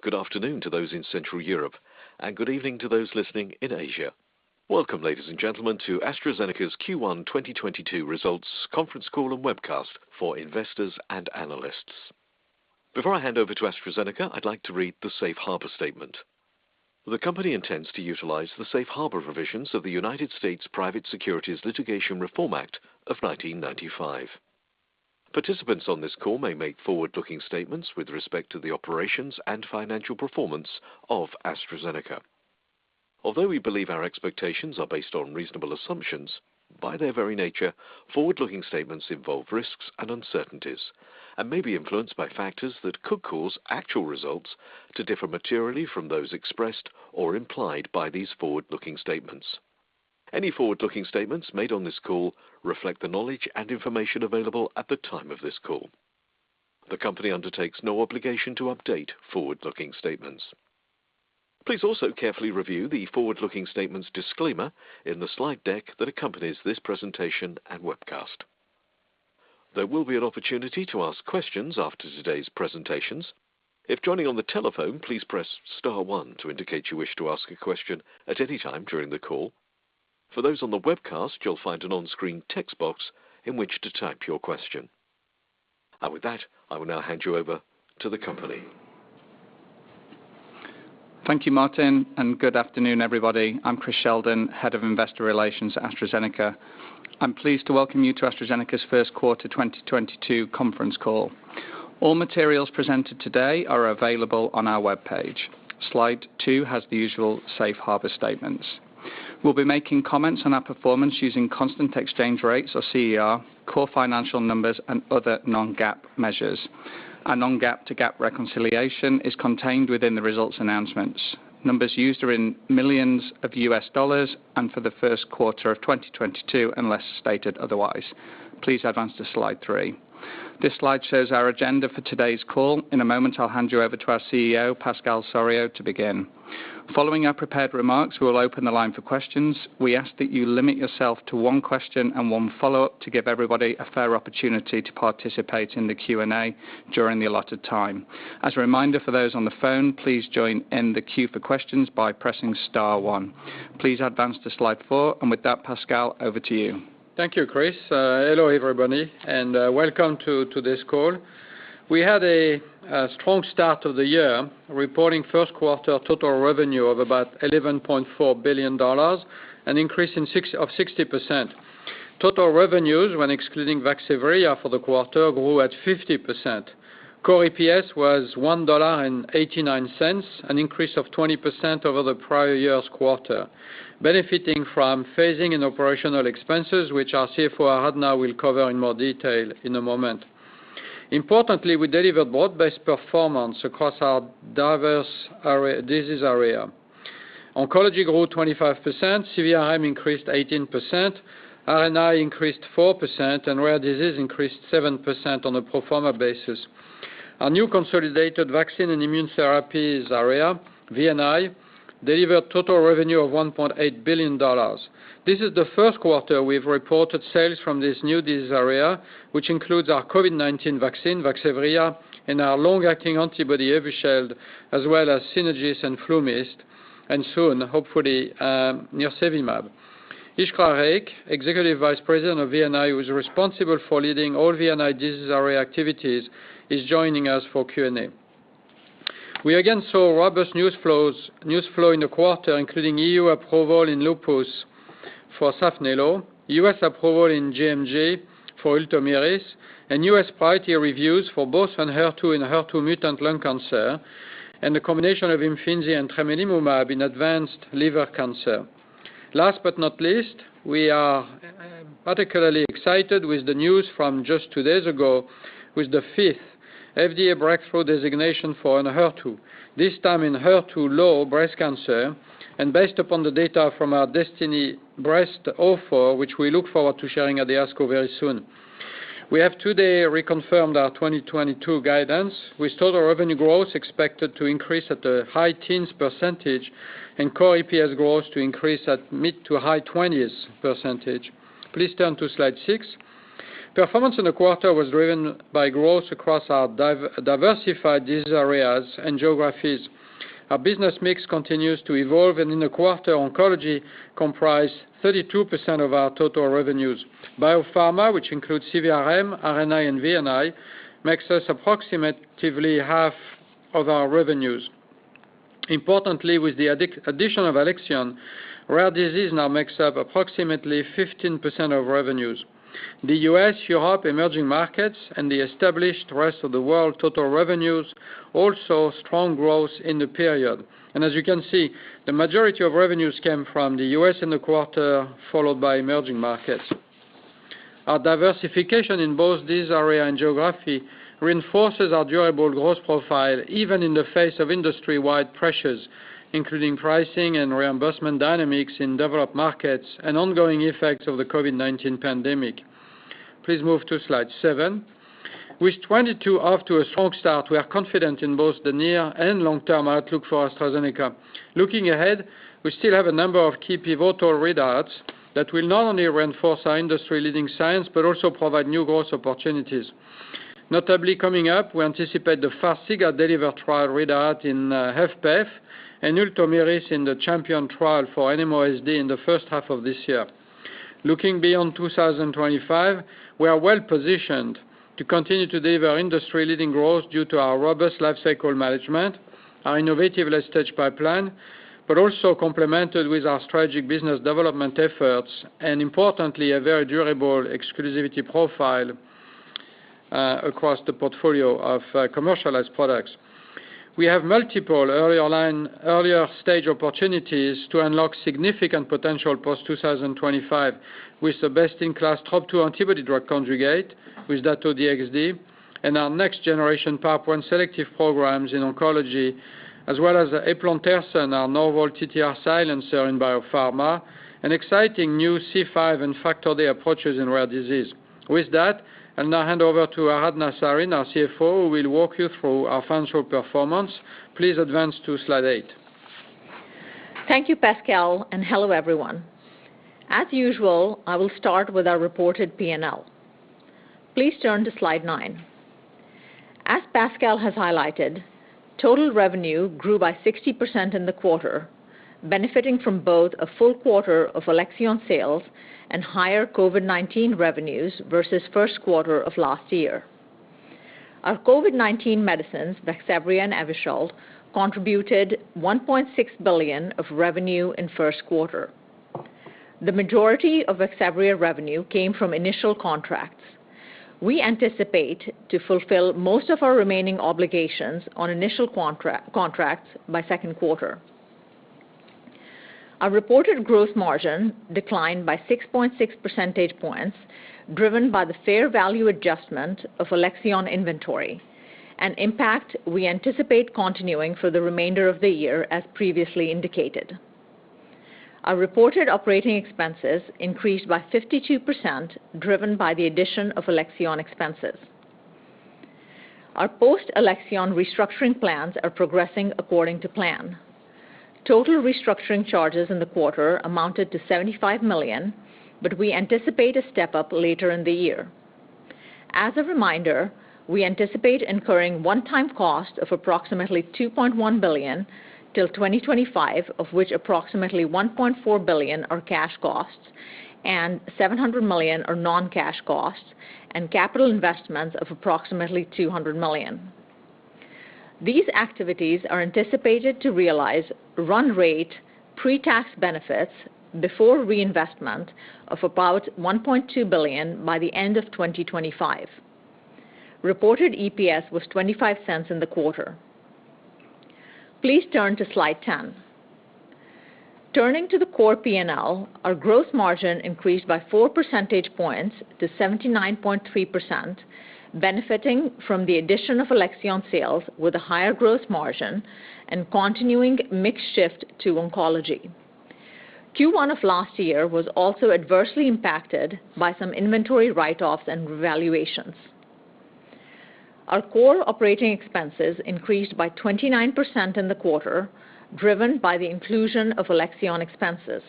Good afternoon to those in Central Europe and good evening to those listening in Asia. Welcome, ladies and gentlemen, to AstraZeneca's Q1 2022 Results conference call and webcast for investors and analysts. Before I hand over to AstraZeneca, I'd like to read the safe harbor statement. The company intends to utilize the safe harbor provisions of the United States Private Securities Litigation Reform Act of 1995. Participants on this call may make forward-looking statements with respect to the operations and financial performance of AstraZeneca. Although we believe our expectations are based on reasonable assumptions, by their very nature, forward-looking statements involve risks and uncertainties and may be influenced by factors that could cause actual results to differ materially from those expressed or implied by these forward-looking statements. Any forward-looking statements made on this call reflect the knowledge and information available at the time of this call. The company undertakes no obligation to update forward-looking statements. Please also carefully review the forward-looking statements disclaimer in the slide deck that accompanies this presentation and webcast. There will be an opportunity to ask questions after today's presentations. If joining on the telephone, please press star one to indicate you wish to ask a question at any time during the call. For those on the webcast, you'll find an on-screen text box in which to type your question. With that, I will now hand you over to the company. Thank you, Martin, and good afternoon, everybody. I'm Chris Sheldon, Head of Investor Relations at AstraZeneca. I'm pleased to welcome you to AstraZeneca's first quarter 2022 conference call. All materials presented today are available on our webpage. Slide 2 has the usual safe harbor statements. We'll be making comments on our performance using constant exchange rates or CER, core financial numbers and other non-GAAP measures. Our non-GAAP to GAAP reconciliation is contained within the results announcements. Numbers used are in $ millions and for the first quarter of 2022, unless stated otherwise. Please advance to slide 3. This slide shows our agenda for today's call. In a moment, I'll hand you over to our CEO, Pascal Soriot, to begin. Following our prepared remarks, we will open the line for questions. We ask that you limit yourself to one question and one follow-up to give everybody a fair opportunity to participate in the Q&A during the allotted time. As a reminder for those on the phone, please join in the queue for questions by pressing star one. Please advance to slide four. With that, Pascal, over to you. Thank you, Chris. Hello, everybody, and welcome to this call. We had a strong start of the year, reporting first quarter total revenue of about $11.4 billion, an increase of 60%. Total revenues, when excluding Vaxevria for the quarter, grew at 50%. Core EPS was $1.89, an increase of 20% over the prior year's quarter, benefiting from phasing in operational expenses, which our CFO, Aradhana Sarin, will cover in more detail in a moment. Importantly, we delivered broad-based performance across our diverse disease area. Oncology grew 25%, CVRM increased 18%, RNI increased 4%, and rare disease increased 7% on a pro forma basis. Our new consolidated vaccine and immune therapies area, V&I, delivered total revenue of $1.8 billion. This is the first quarter we've reported sales from this new disease area, which includes our COVID-19 vaccine, Vaxzevria, and our long-acting antibody, Evusheld, as well as Synagis and FluMist, and soon, hopefully, nirsevimab. Iskra Reic, Executive Vice President of V&I, who is responsible for leading all V&I disease area activities, is joining us for Q&A. We again saw robust newsflow in the quarter, including EU approval in lupus for Saphnelo, US approval in gMG for Ultomiris, and US priority reviews for both Enhertu and Enhertu mutant lung cancer, and the combination of Imfinzi and tremelimumab in advanced liver cancer. Last but not least, we are particularly excited with the news from just two days ago with the fifth FDA breakthrough designation for Enhertu, this time in HER2-low breast cancer, and based upon the data from our DESTINY-Breast04, which we look forward to sharing at the ASCO very soon. We have today reconfirmed our 2022 guidance, with total revenue growth expected to increase at a high-teens % and core EPS growth to increase at mid- to high-20s %. Please turn to slide 6. Performance in the quarter was driven by growth across our diversified disease areas and geographies. Our business mix continues to evolve, and in the quarter, oncology comprised 32% of our total revenues. Biopharma, which includes CVRM, RNI, and VNI, makes up approximately half of our revenues. Importantly, with the addition of Alexion, rare disease now makes up approximately 15% of revenues. The US, Europe, emerging markets, and the established rest of the world total revenues also strong growth in the period. As you can see, the majority of revenues came from the US in the quarter, followed by emerging markets. Our diversification in both disease area and geography reinforces our durable growth profile, even in the face of industry-wide pressures, including pricing and reimbursement dynamics in developed markets and ongoing effects of the COVID-19 pandemic. Please move to slide 7. With 2022 off to a strong start, we are confident in both the near and long-term outlook for AstraZeneca. Looking ahead, we still have a number of key pivotal readouts that will not only reinforce our industry-leading science, but also provide new growth opportunities. Notably coming up, we anticipate the Farxiga DELIVER trial readout in HFpEF and Ultomiris in the CHAMPION trial for NMOSD in the first half of this year. Looking beyond 2025, we are well-positioned to continue to deliver industry-leading growth due to our robust lifecycle management, our innovative late-stage pipeline, but also complemented with our strategic business development efforts and importantly, a very durable exclusivity profile, across the portfolio of, commercialized products. We have multiple earlier stage opportunities to unlock significant potential post-2025 with the best-in-class TROP2 antibody drug conjugate with Dato-DXd and our next-generation PARP1 selective programs in oncology, as well as eplontersen, our novel TTR silencer in biopharma, an exciting new C5 and Factor D approaches in rare disease. With that, I'll now hand over to Aradhana Sarin, our CFO, who will walk you through our financial performance. Please advance to slide 8. Thank you, Pascal, and hello, everyone. As usual, I will start with our reported P&L. Please turn to slide 9. As Pascal has highlighted, total revenue grew by 60% in the quarter, benefiting from both a full quarter of Alexion sales and higher COVID-19 revenues versus first quarter of last year. Our COVID-19 medicines, Vaxzevria and Evusheld, contributed $1.6 billion of revenue in first quarter. The majority of Vaxzevria revenue came from initial contracts. We anticipate to fulfill most of our remaining obligations on initial contracts by second quarter. Our reported gross margin declined by 6.6 percentage points, driven by the fair value adjustment of Alexion inventory, an impact we anticipate continuing for the remainder of the year, as previously indicated. Our reported operating expenses increased by 52%, driven by the addition of Alexion expenses. Our post-Alexion restructuring plans are progressing according to plan. Total restructuring charges in the quarter amounted to $75 million, but we anticipate a step-up later in the year. As a reminder, we anticipate incurring one-time cost of approximately $2.1 billion till 2025, of which approximately $1.4 billion are cash costs and $700 million are non-cash costs and capital investments of approximately $200 million. These activities are anticipated to realize run rate pre-tax benefits before reinvestment of about $1.2 billion by the end of 2025. Reported EPS was $0.25 in the quarter. Please turn to slide 10. Turning to the core P&L, our gross margin increased by 4 percentage points to 79.3%, benefiting from the addition of Alexion sales with a higher gross margin and continuing mix shift to oncology. Q1 of last year was also adversely impacted by some inventory write-offs and revaluations. Our core operating expenses increased by 29% in the quarter, driven by the inclusion of Alexion expenses.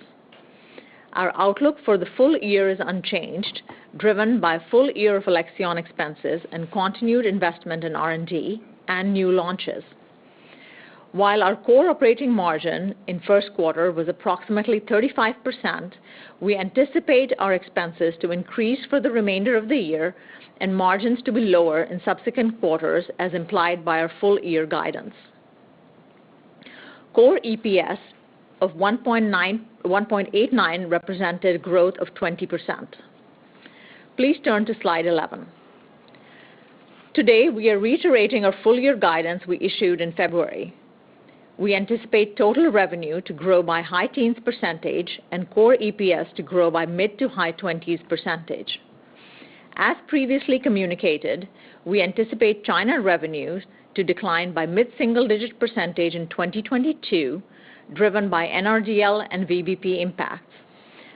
Our outlook for the full year is unchanged, driven by a full year of Alexion expenses and continued investment in R&D and new launches. While our core operating margin in first quarter was approximately 35%, we anticipate our expenses to increase for the remainder of the year and margins to be lower in subsequent quarters, as implied by our full year guidance. Core EPS of 1.89 represented growth of 20%. Please turn to slide 11. Today, we are reiterating our full year guidance we issued in February. We anticipate total revenue to grow by high-teens % and core EPS to grow by mid- to high-20s %. As previously communicated, we anticipate China revenues to decline by mid-single digit % in 2022, driven by NRDL and VBP impacts.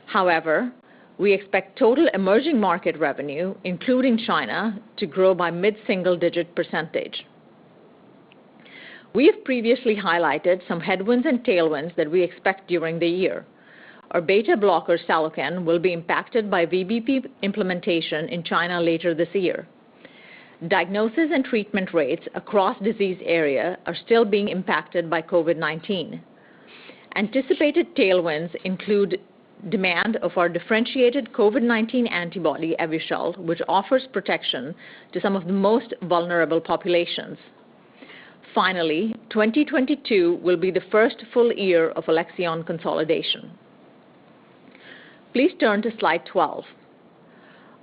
However, we expect total emerging market revenue, including China, to grow by mid-single digit %. We have previously highlighted some headwinds and tailwinds that we expect during the year. Our beta blocker, Seloken, will be impacted by VBP implementation in China later this year. Diagnosis and treatment rates across disease area are still being impacted by COVID-19. Anticipated tailwinds include demand of our differentiated COVID-19 antibody, Evusheld, which offers protection to some of the most vulnerable populations. Finally, 2022 will be the first full year of Alexion consolidation. Please turn to slide 12.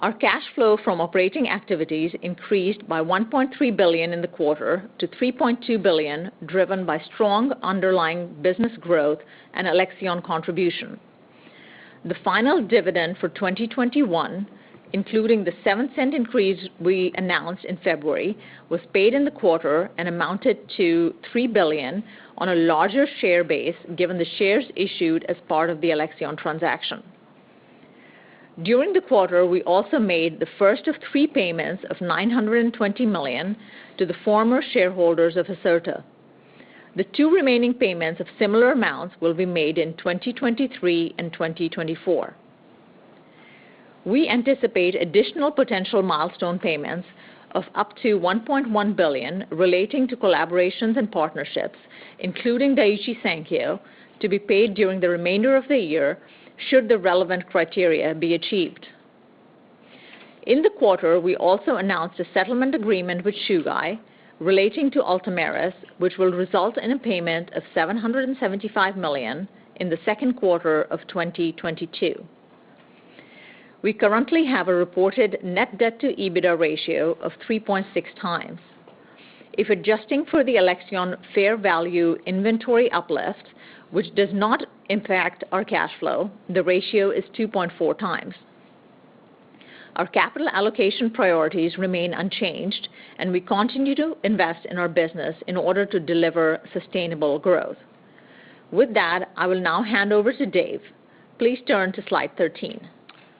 Our cash flow from operating activities increased by $1.3 billion in the quarter to $3.2 billion, driven by strong underlying business growth and Alexion contribution. The final dividend for 2021, including the $0.07 increase we announced in February, was paid in the quarter and amounted to $3 billion on a larger share base, given the shares issued as part of the Alexion transaction. During the quarter, we also made the first of three payments of $920 million to the former shareholders of Acerta. The two remaining payments of similar amounts will be made in 2023 and 2024. We anticipate additional potential milestone payments of up to $1.1 billion relating to collaborations and partnerships, including Daiichi Sankyo, to be paid during the remainder of the year should the relevant criteria be achieved. In the quarter, we also announced a settlement agreement with Chugai relating to Ultomiris, which will result in a payment of $775 million in the second quarter of 2022. We currently have a reported net debt to EBITDA ratio of 3.6 times. If adjusting for the Alexion fair value inventory uplift, which does not impact our cash flow, the ratio is 2.4 times. Our capital allocation priorities remain unchanged, and we continue to invest in our business in order to deliver sustainable growth. With that, I will now hand over to Dave. Please turn to slide 13.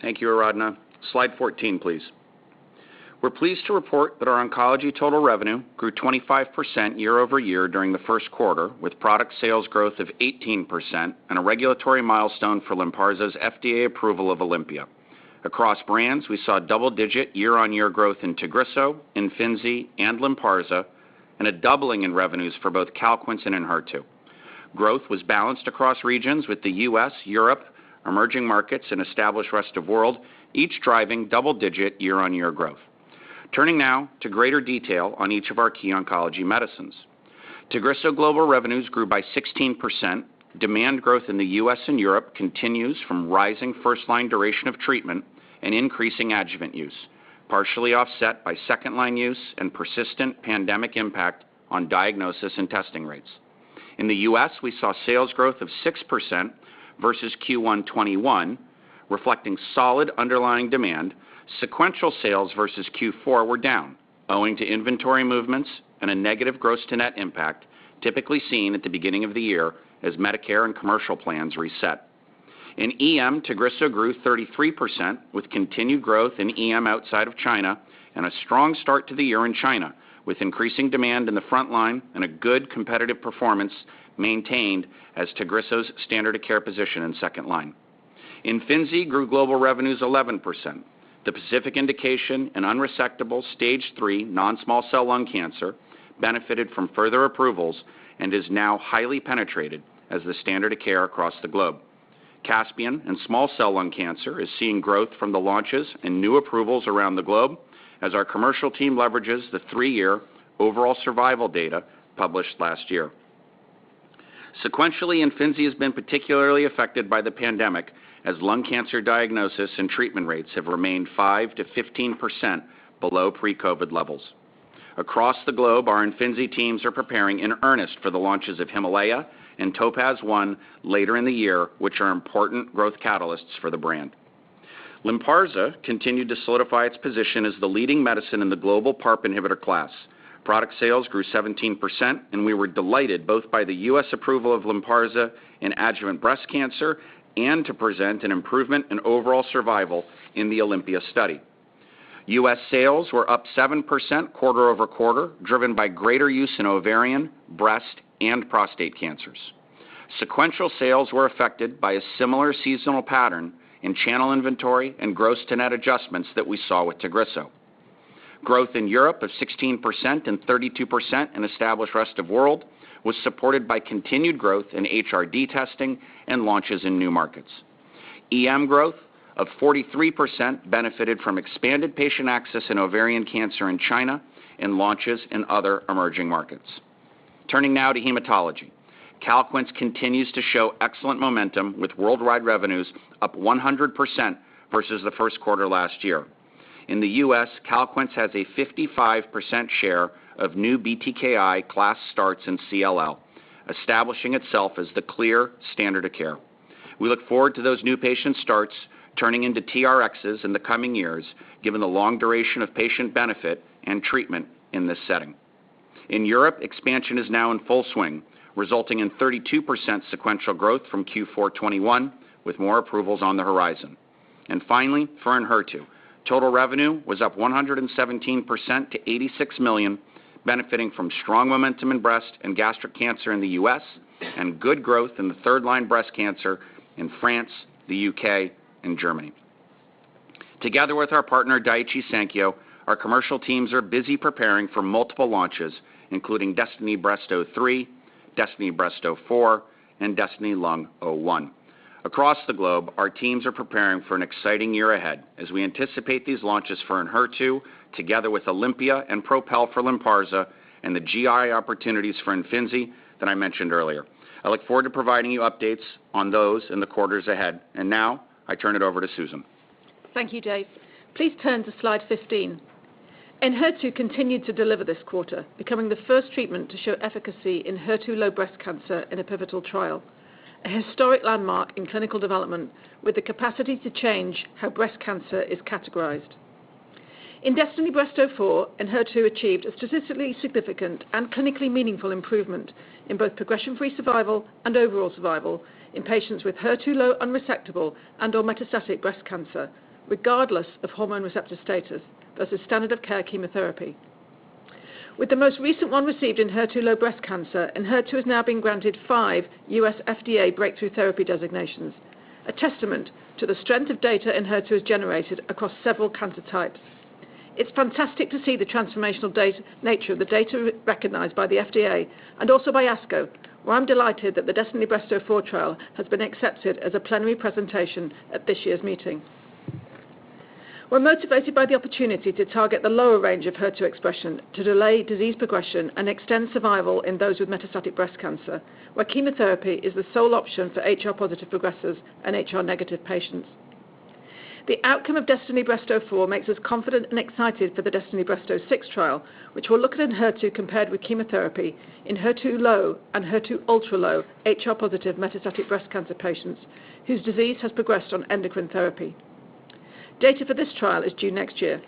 Thank you, Aradhana Sarin. Slide 14, please. We're pleased to report that our oncology total revenue grew 25% year-over-year during the first quarter, with product sales growth of 18% and a regulatory milestone for Lynparza's FDA approval of OlympiA. Across brands, we saw double-digit year-on-year growth in Tagrisso, Imfinzi, and Lynparza, and a doubling in revenues for both Calquence and Enhertu. Growth was balanced across regions with the US, Europe, emerging markets, and established rest of world, each driving double-digit year-on-year growth. Turning now to greater detail on each of our key oncology medicines. Tagrisso global revenues grew by 16%. Demand growth in the US and Europe continues from rising first line duration of treatment and increasing adjuvant use, partially offset by second line use and persistent pandemic impact on diagnosis and testing rates. In the US, we saw sales growth of 6% versus Q1 2021, reflecting solid underlying demand. Sequential sales versus Q4 were down owing to inventory movements and a negative gross to net impact typically seen at the beginning of the year as Medicare and commercial plans reset. In EM, Tagrisso grew 33%, with continued growth in EM outside of China and a strong start to the year in China, with increasing demand in the front line and a good competitive performance maintained as Tagrisso's standard of care position in second line. Imfinzi grew global revenues 11%. The PACIFIC indication in unresectable Stage III non-small cell lung cancer benefited from further approvals and is now highly penetrated as the standard of care across the globe. CASPIAN and small cell lung cancer is seeing growth from the launches and new approvals around the globe as our commercial team leverages the three-year overall survival data published last year. Sequentially, Imfinzi has been particularly affected by the pandemic as lung cancer diagnosis and treatment rates have remained 5%-15% below pre-COVID levels. Across the globe, our Imfinzi teams are preparing in earnest for the launches of HIMALAYA and TOPAZ-1 later in the year, which are important growth catalysts for the brand. Lynparza continued to solidify its position as the leading medicine in the global PARP inhibitor class. Product sales grew 17%, and we were delighted both by the US approval of Lynparza in adjuvant breast cancer and to present an improvement in overall survival in the OlympiA study. US sales were up 7% quarter-over-quarter, driven by greater use in ovarian, breast, and prostate cancers. Sequential sales were affected by a similar seasonal pattern in channel inventory and gross to net adjustments that we saw with Tagrisso. Growth in Europe of 16% and 32% in established rest of world was supported by continued growth in HRD testing and launches in new markets. EM growth of 43% benefited from expanded patient access in ovarian cancer in China and launches in other emerging markets. Turning now to hematology. Calquence continues to show excellent momentum with worldwide revenues up 100% versus the first quarter last year. In the US, Calquence has a 55% share of new BTKI class starts in CLL, establishing itself as the clear standard of care. We look forward to those new patient starts turning into TRXs in the coming years, given the long duration of patient benefit and treatment in this setting. In Europe, expansion is now in full swing, resulting in 32% sequential growth from Q4 2021, with more approvals on the horizon. Finally, for Enhertu, total revenue was up 117% to $86 million, benefiting from strong momentum in breast and gastric cancer in the U.S. and good growth in the third line breast cancer in France, the U.K. and Germany. Together with our partner, Daiichi Sankyo, our commercial teams are busy preparing for multiple launches, including DESTINY-Breast03, DESTINY-Breast04, and DESTINY-Lung01. Across the globe, our teams are preparing for an exciting year ahead as we anticipate these launches for Enhertu, together with OlympiA and PROPEL for Lynparza and the GI opportunities for Imfinzi that I mentioned earlier. I look forward to providing you updates on those in the quarters ahead. Now I turn it over to Susan. Thank you, Dave. Please turn to slide 15. Enhertu continued to deliver this quarter, becoming the first treatment to show efficacy in HER2-low breast cancer in a pivotal trial, a historic landmark in clinical development with the capacity to change how breast cancer is categorized. In DESTINY-Breast04, Enhertu achieved a statistically significant and clinically meaningful improvement in both progression-free survival and overall survival in patients with HER2-low unresectable and/or metastatic breast cancer, regardless of hormone receptor status versus standard of care chemotherapy. With the most recent one received in HER2-low breast cancer, Enhertu has now been granted 5 U.S. FDA breakthrough therapy designations, a testament to the strength of data Enhertu has generated across several cancer types. It's fantastic to see the transformational data, nature of the data recognized by the FDA and also by ASCO, where I'm delighted that the DESTINY-Breast04 trial has been accepted as a plenary presentation at this year's meeting. We're motivated by the opportunity to target the lower range of HER2 expression to delay disease progression and extend survival in those with metastatic breast cancer, where chemotherapy is the sole option for HR-positive progressors and HR-negative patients. The outcome of DESTINY-Breast04 makes us confident and excited for the DESTINY-Breast06 trial, which will look at Enhertu compared with chemotherapy in HER2-low and HER2-ultralow HR-positive metastatic breast cancer patients whose disease has progressed on endocrine therapy. Data for this trial is due next year.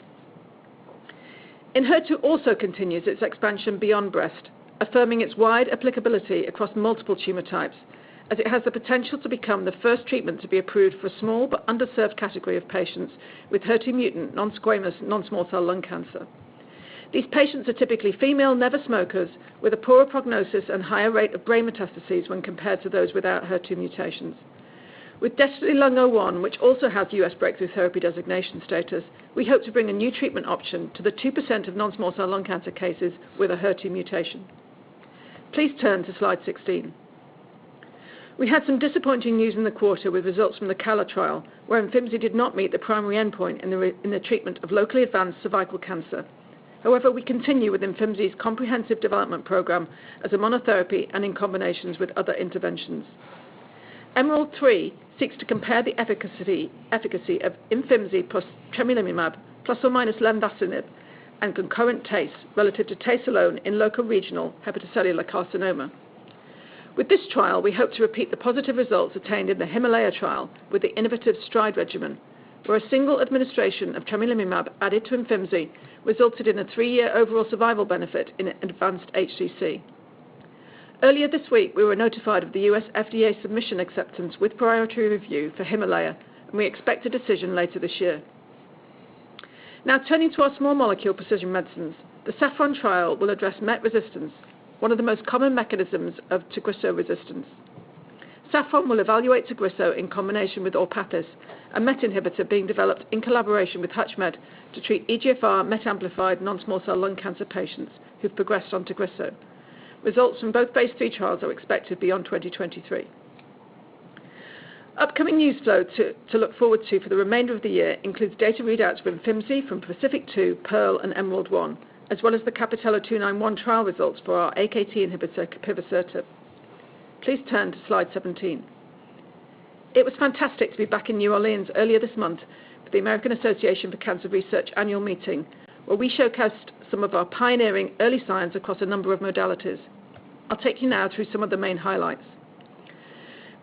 Enhertu also continues its expansion beyond breast, affirming its wide applicability across multiple tumor types, as it has the potential to become the first treatment to be approved for a small but underserved category of patients with HER2-mutant non-squamous, non-small cell lung cancer. These patients are typically female never smokers with a poorer prognosis and higher rate of brain metastases when compared to those without HER2 mutations. With DESTINY-Lung01, which also has U.S. breakthrough therapy designation status, we hope to bring a new treatment option to the 2% of non-small cell lung cancer cases with a HER2 mutation. Please turn to slide 16. We had some disappointing news in the quarter with results from the CALLA trial, where Imfinzi did not meet the primary endpoint in the treatment of locally advanced cervical cancer. However, we continue with Imfinzi's comprehensive development program as a monotherapy and in combinations with other interventions. EMERALD-3 seeks to compare the efficacy of Imfinzi plus tremelimumab plus or minus lenvatinib and concurrent TACE relative to TACE alone in locoregional hepatocellular carcinoma. With this trial, we hope to repeat the positive results attained in the HIMALAYA trial with the innovative STRIDE regimen, where a single administration of tremelimumab added to Imfinzi resulted in a three-year overall survival benefit in advanced HCC. Earlier this week, we were notified of the U.S. FDA submission acceptance with priority review for HIMALAYA, and we expect a decision later this year. Now turning to our small molecule precision medicines, the SAFFRON trial will address MET resistance, one of the most common mechanisms of Tagrisso resistance. SAFFRON will evaluate Tagrisso in combination with Orpathys, a MET inhibitor being developed in collaboration with Hutchmed to treat EGFR MET-amplified non-small cell lung cancer patients who've progressed on Tagrisso. Results from both phase III trials are expected beyond 2023. Upcoming news flow to look forward to for the remainder of the year includes data readouts for Imfinzi from PACIFIC-2, PEARL, and EMERALD-1, as well as the CAPItello-291 trial results for our AKT inhibitor, capivasertib. Please turn to slide 17. It was fantastic to be back in New Orleans earlier this month for the American Association for Cancer Research annual meeting, where we showcased some of our pioneering early science across a number of modalities. I'll take you now through some of the main highlights.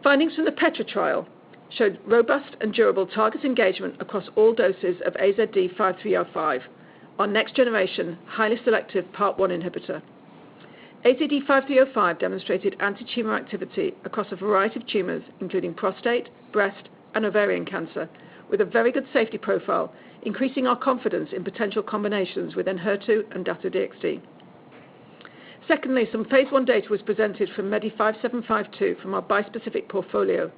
Findings from the PETRA trial showed robust and durable target engagement across all doses of AZD5305, our next generation, highly selective PARP1 inhibitor. AZD5305 demonstrated antitumor activity across a variety of tumors, including prostate, breast, and ovarian cancer, with a very good safety profile, increasing our confidence in potential combinations with Enhertu and Dato-DXd. Secondly, some phase I data was presented from MEDI5752 from our bispecific portfolio.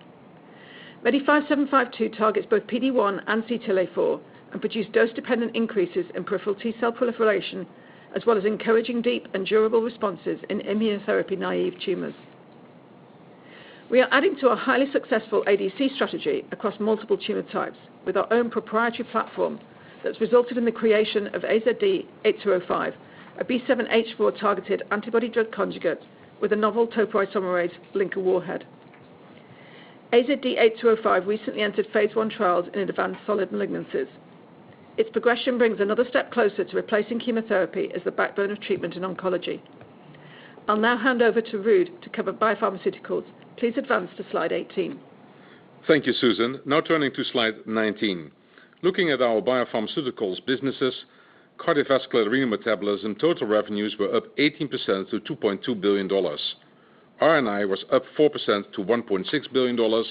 MEDI5752 targets both PD-1 and CTLA-4 and produced dose-dependent increases in peripheral T cell proliferation, as well as encouraging deep and durable responses in immunotherapy-naive tumors. We are adding to our highly successful ADC strategy across multiple tumor types with our own proprietary platform that's resulted in the creation of AZD8205, a B7H4-targeted antibody drug conjugate with a novel topoisomerase linker warhead. AZD8205 recently entered phase I trials in advanced solid malignancies. Its progression brings another step closer to replacing chemotherapy as the backbone of treatment in oncology. I'll now hand over to Ruud to cover biopharmaceuticals. Please advance to slide 18. Thank you, Susan. Now turning to slide 19. Looking at our biopharmaceuticals businesses, cardiovascular, renal and metabolism total revenues were up 18% to $2.2 billion. RNI was up 4% to $1.6 billion,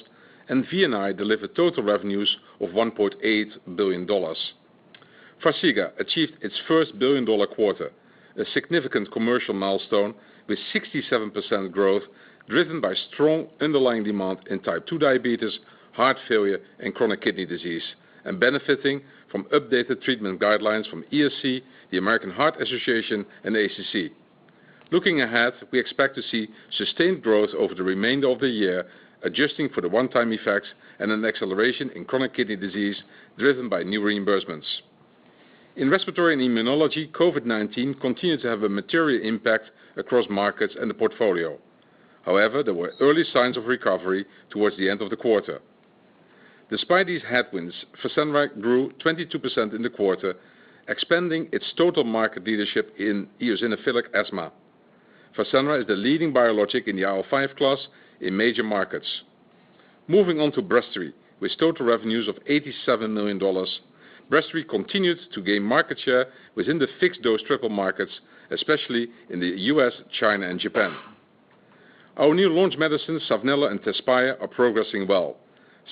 and V&I delivered total revenues of $1.8 billion. Farxiga achieved its first billion-dollar quarter, a significant commercial milestone with 67% growth driven by strong underlying demand in type 2 diabetes, heart failure, and chronic kidney disease, and benefiting from updated treatment guidelines from ESC, the American Heart Association, and ACC. Looking ahead, we expect to see sustained growth over the remainder of the year, adjusting for the one-time effects and an acceleration in chronic kidney disease driven by new reimbursements. In respiratory and immunology, COVID-19 continued to have a material impact across markets and the portfolio. However, there were early signs of recovery towards the end of the quarter. Despite these headwinds, Fasenra grew 22% in the quarter, expanding its total market leadership in eosinophilic asthma. Fasenra is the leading biologic in the IL-5 class in major markets. Moving on to Breztri, with total revenues of $87 million, Breztri continued to gain market share within the fixed-dose triple markets, especially in the U.S., China, and Japan. Our new launch medicines, Saphnelo and Tezspire, are progressing well.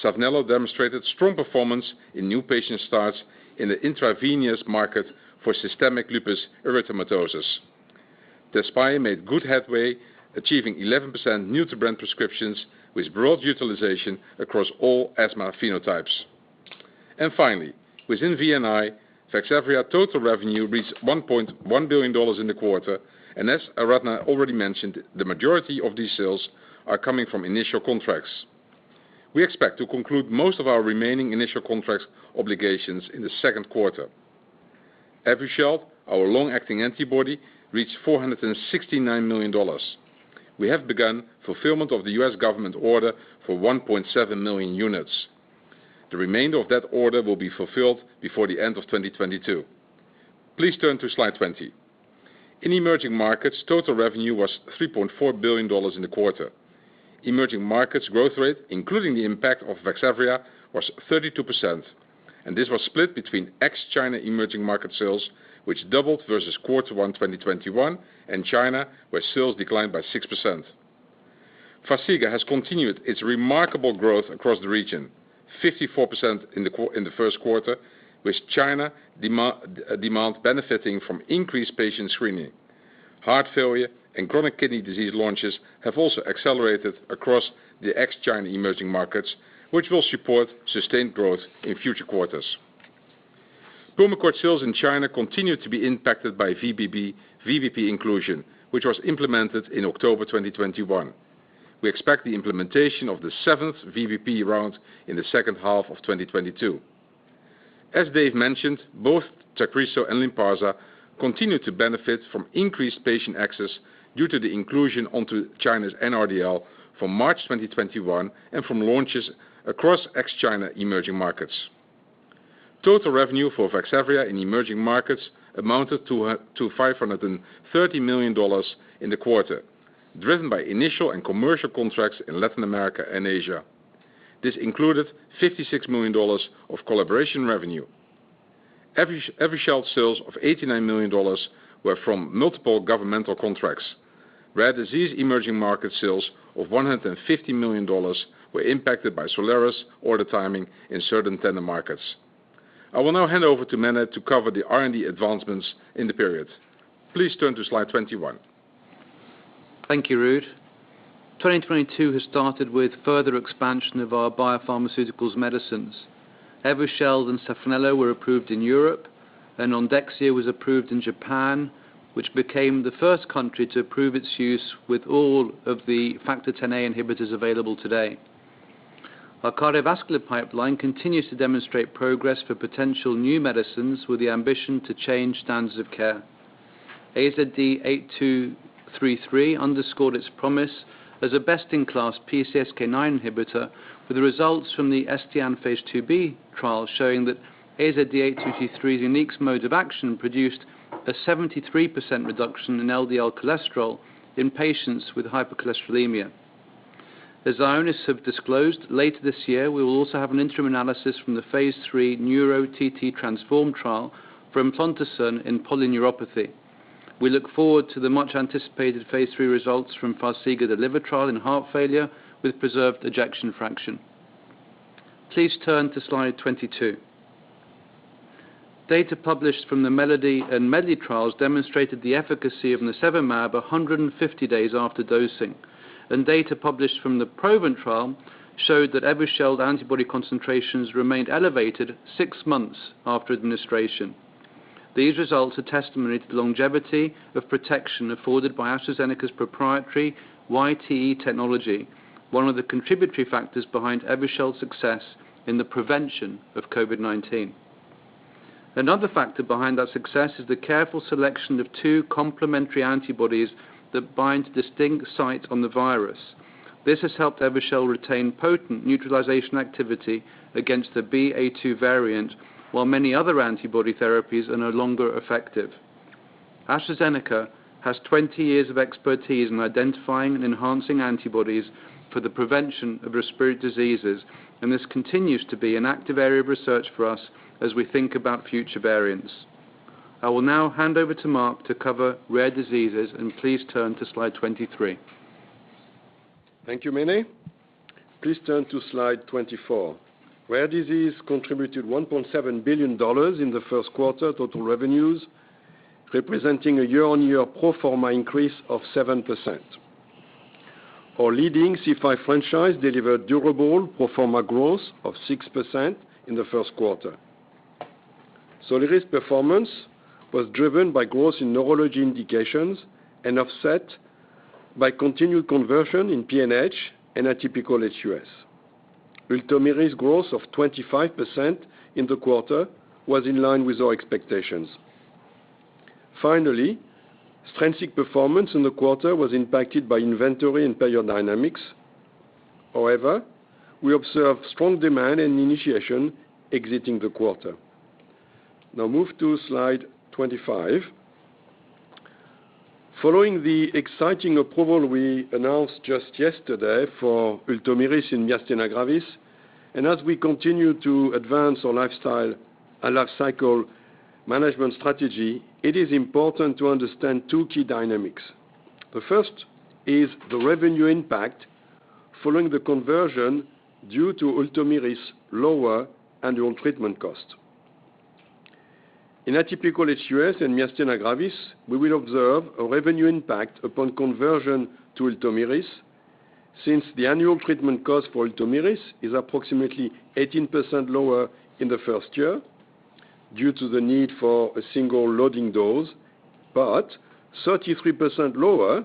Saphnelo demonstrated strong performance in new patient starts in the intravenous market for systemic lupus erythematosus. Tezspire made good headway, achieving 11% new to brand prescriptions with broad utilization across all asthma phenotypes. Finally, within V&I, Vaxzevria total revenue reached $1.1 billion in the quarter, and as Aradhana Sarin already mentioned, the majority of these sales are coming from initial contracts. We expect to conclude most of our remaining initial contracts obligations in the second quarter. Evusheld, our long-acting antibody, reached $469 million. We have begun fulfillment of the US government order for 1.7 million units. The remainder of that order will be fulfilled before the end of 2022. Please turn to slide 20. In emerging markets, total revenue was $3.4 billion in the quarter. Emerging markets growth rate, including the impact of Vaxzevria, was 32%, and this was split between ex-China emerging market sales, which doubled versus Q1 2021, and China, where sales declined by 6%. Farxiga has continued its remarkable growth across the region, 54% in the first quarter, with China demand benefiting from increased patient screening. Heart failure and chronic kidney disease launches have also accelerated across the ex-China emerging markets, which will support sustained growth in future quarters. Pulmicort sales in China continue to be impacted by VBP inclusion, which was implemented in October 2021. We expect the implementation of the seventh VBP round in the second half of 2022. As Dave mentioned, both Tagrisso and Lynparza continue to benefit from increased patient access due to the inclusion onto China's NRDL from March 2021 and from launches across ex-China emerging markets. Total revenue for Vaxzevria in emerging markets amounted to $530 million in the quarter, driven by initial and commercial contracts in Latin America and Asia. This included $56 million of collaboration revenue. Evusheld sales of $89 million were from multiple governmental contracts. Rare disease emerging market sales of $150 million were impacted by Soliris order timing in certain tender markets. I will now hand over to Mene to cover the R&D advancements in the period. Please turn to slide 21. Thank you, Ruud. 2022 has started with further expansion of our biopharmaceuticals medicines. Evusheld and Saphnelo were approved in Europe, and Ondexxya was approved in Japan, which became the first country to approve its use with all of the Factor Xa inhibitors available today. Our cardiovascular pipeline continues to demonstrate progress for potential new medicines with the ambition to change standards of care. AZD8233 underscored its promise as a best-in-class PCSK9 inhibitor, with the results from the ETESIAN phase II-B trial showing that AZD8233's unique mode of action produced a 73% reduction in LDL cholesterol in patients with hypercholesterolemia. As Ionis have disclosed, later this year we will also have an interim analysis from the phase III NEURO-TTRansform trial from eplontersen in polyneuropathy. We look forward to the much-anticipated phase III results from Farxiga DELIVER trial in heart failure with preserved ejection fraction. Please turn to slide 22. Data published from the MELODY and MEDLEY trials demonstrated the efficacy of nirsevimab 150 days after dosing, and data published from the PROVENT trial showed that Evusheld antibody concentrations remained elevated six months after administration. These results are testimony to the longevity of protection afforded by AstraZeneca's proprietary YTE technology, one of the contributory factors behind Evusheld's success in the prevention of COVID-19. Another factor behind our success is the careful selection of two complementary antibodies that bind distinct sites on the virus. This has helped Evusheld retain potent neutralization activity against the BA.2 variant, while many other antibody therapies are no longer effective. AstraZeneca has 20 years of expertise in identifying and enhancing antibodies for the prevention of respiratory diseases, and this continues to be an active area of research for us as we think about future variants. I will now hand over to Marc to cover rare diseases, and please turn to slide 23. Thank you, Mene. Please turn to slide 24. Rare disease contributed $1.7 billion in the first quarter total revenues, representing a year-on-year pro forma increase of 7%. Our leading C5 franchise delivered durable pro forma growth of 6% in the first quarter. Soliris performance was driven by growth in neurology indications and offset by continued conversion in PNH and aHUS. Ultomiris growth of 25% in the quarter was in line with our expectations. Finally, Strensiq performance in the quarter was impacted by inventory and payer dynamics. However, we observed strong demand and initiation exiting the quarter. Now move to slide 25. Following the exciting approval we announced just yesterday for Ultomiris in myasthenia gravis. As we continue to advance our life cycle management strategy, it is important to understand two key dynamics. The first is the revenue impact following the conversion due to Ultomiris lower annual treatment cost. In a typical aHUS and myasthenia gravis, we will observe a revenue impact upon conversion to Ultomiris, since the annual treatment cost for Ultomiris is approximately 18% lower in the first year due to the need for a single loading dose, but 33% lower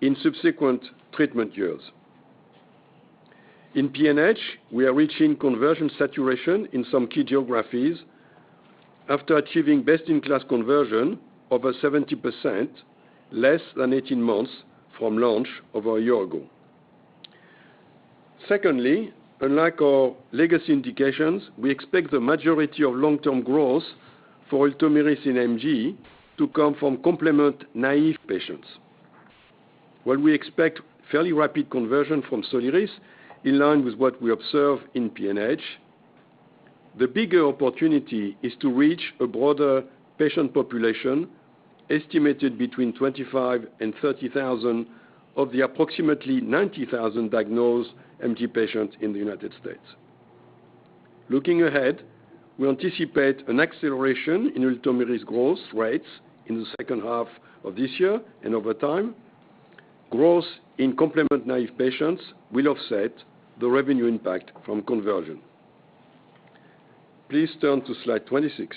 in subsequent treatment years. In PNH, we are reaching conversion saturation in some key geographies after achieving best-in-class conversion over 70% less than 18 months from launch over a year ago. Secondly, unlike our legacy indications, we expect the majority of long-term growth for Ultomiris in MG to come from complement-naive patients. While we expect fairly rapid conversion from Soliris in line with what we observe in PNH, the bigger opportunity is to reach a broader patient population, estimated between 25 and 30 thousand of the approximately 90,000 diagnosed MG patients in the United States. Looking ahead, we anticipate an acceleration in Ultomiris growth rates in the second half of this year and over time. Growth in complement-naive patients will offset the revenue impact from conversion. Please turn to slide 26.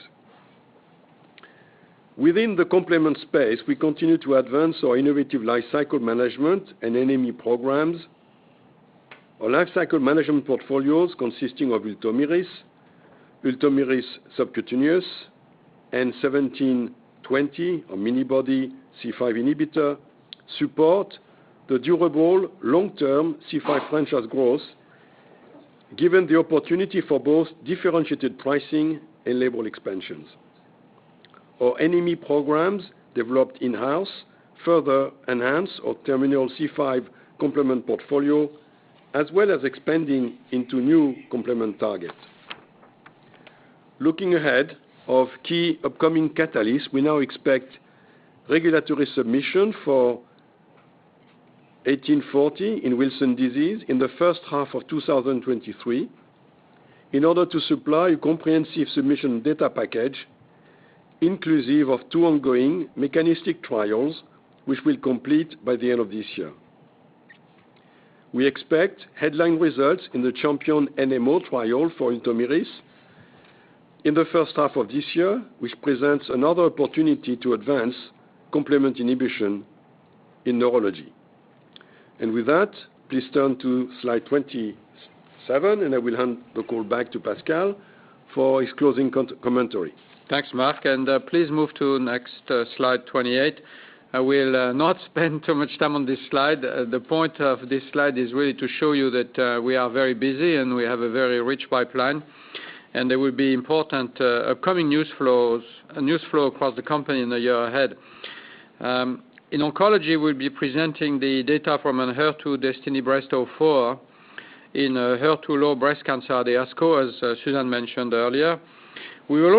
Within the complement space, we continue to advance our innovative lifecycle management and NME programs. Our lifecycle management portfolios consisting of Ultomiris Subcutaneous, and ALXN1720, our mini-body C5 inhibitor, support the durable long-term C5 franchise growth, given the opportunity for both differentiated pricing and label expansions. Our NME programs, developed in-house, further enhance our terminal C5 complement portfolio, as well as expanding into new complement targets. Looking ahead of key upcoming catalysts, we now expect regulatory submission for ALXN1840 in Wilson disease in the first half of 2023 in order to supply a comprehensive submission data package inclusive of two ongoing mechanistic trials which we'll complete by the end of this year. We expect headline results in the CHAMPION-NMOSD trial for Ultomiris in the first half of this year, which presents another opportunity to advance complement inhibition in neurology. With that, please turn to slide 27, and I will hand the call back to Pascal for his closing commentary. Thanks, Marc, and please move to next slide 28. I will not spend too much time on this slide. The point of this slide is really to show you that we are very busy, and we have a very rich pipeline, and there will be important upcoming news flow across the company in the year ahead. In oncology, we'll be presenting the data from DESTINY-Breast04 in HER2-low breast cancer at ASCO, as Susan mentioned earlier. We are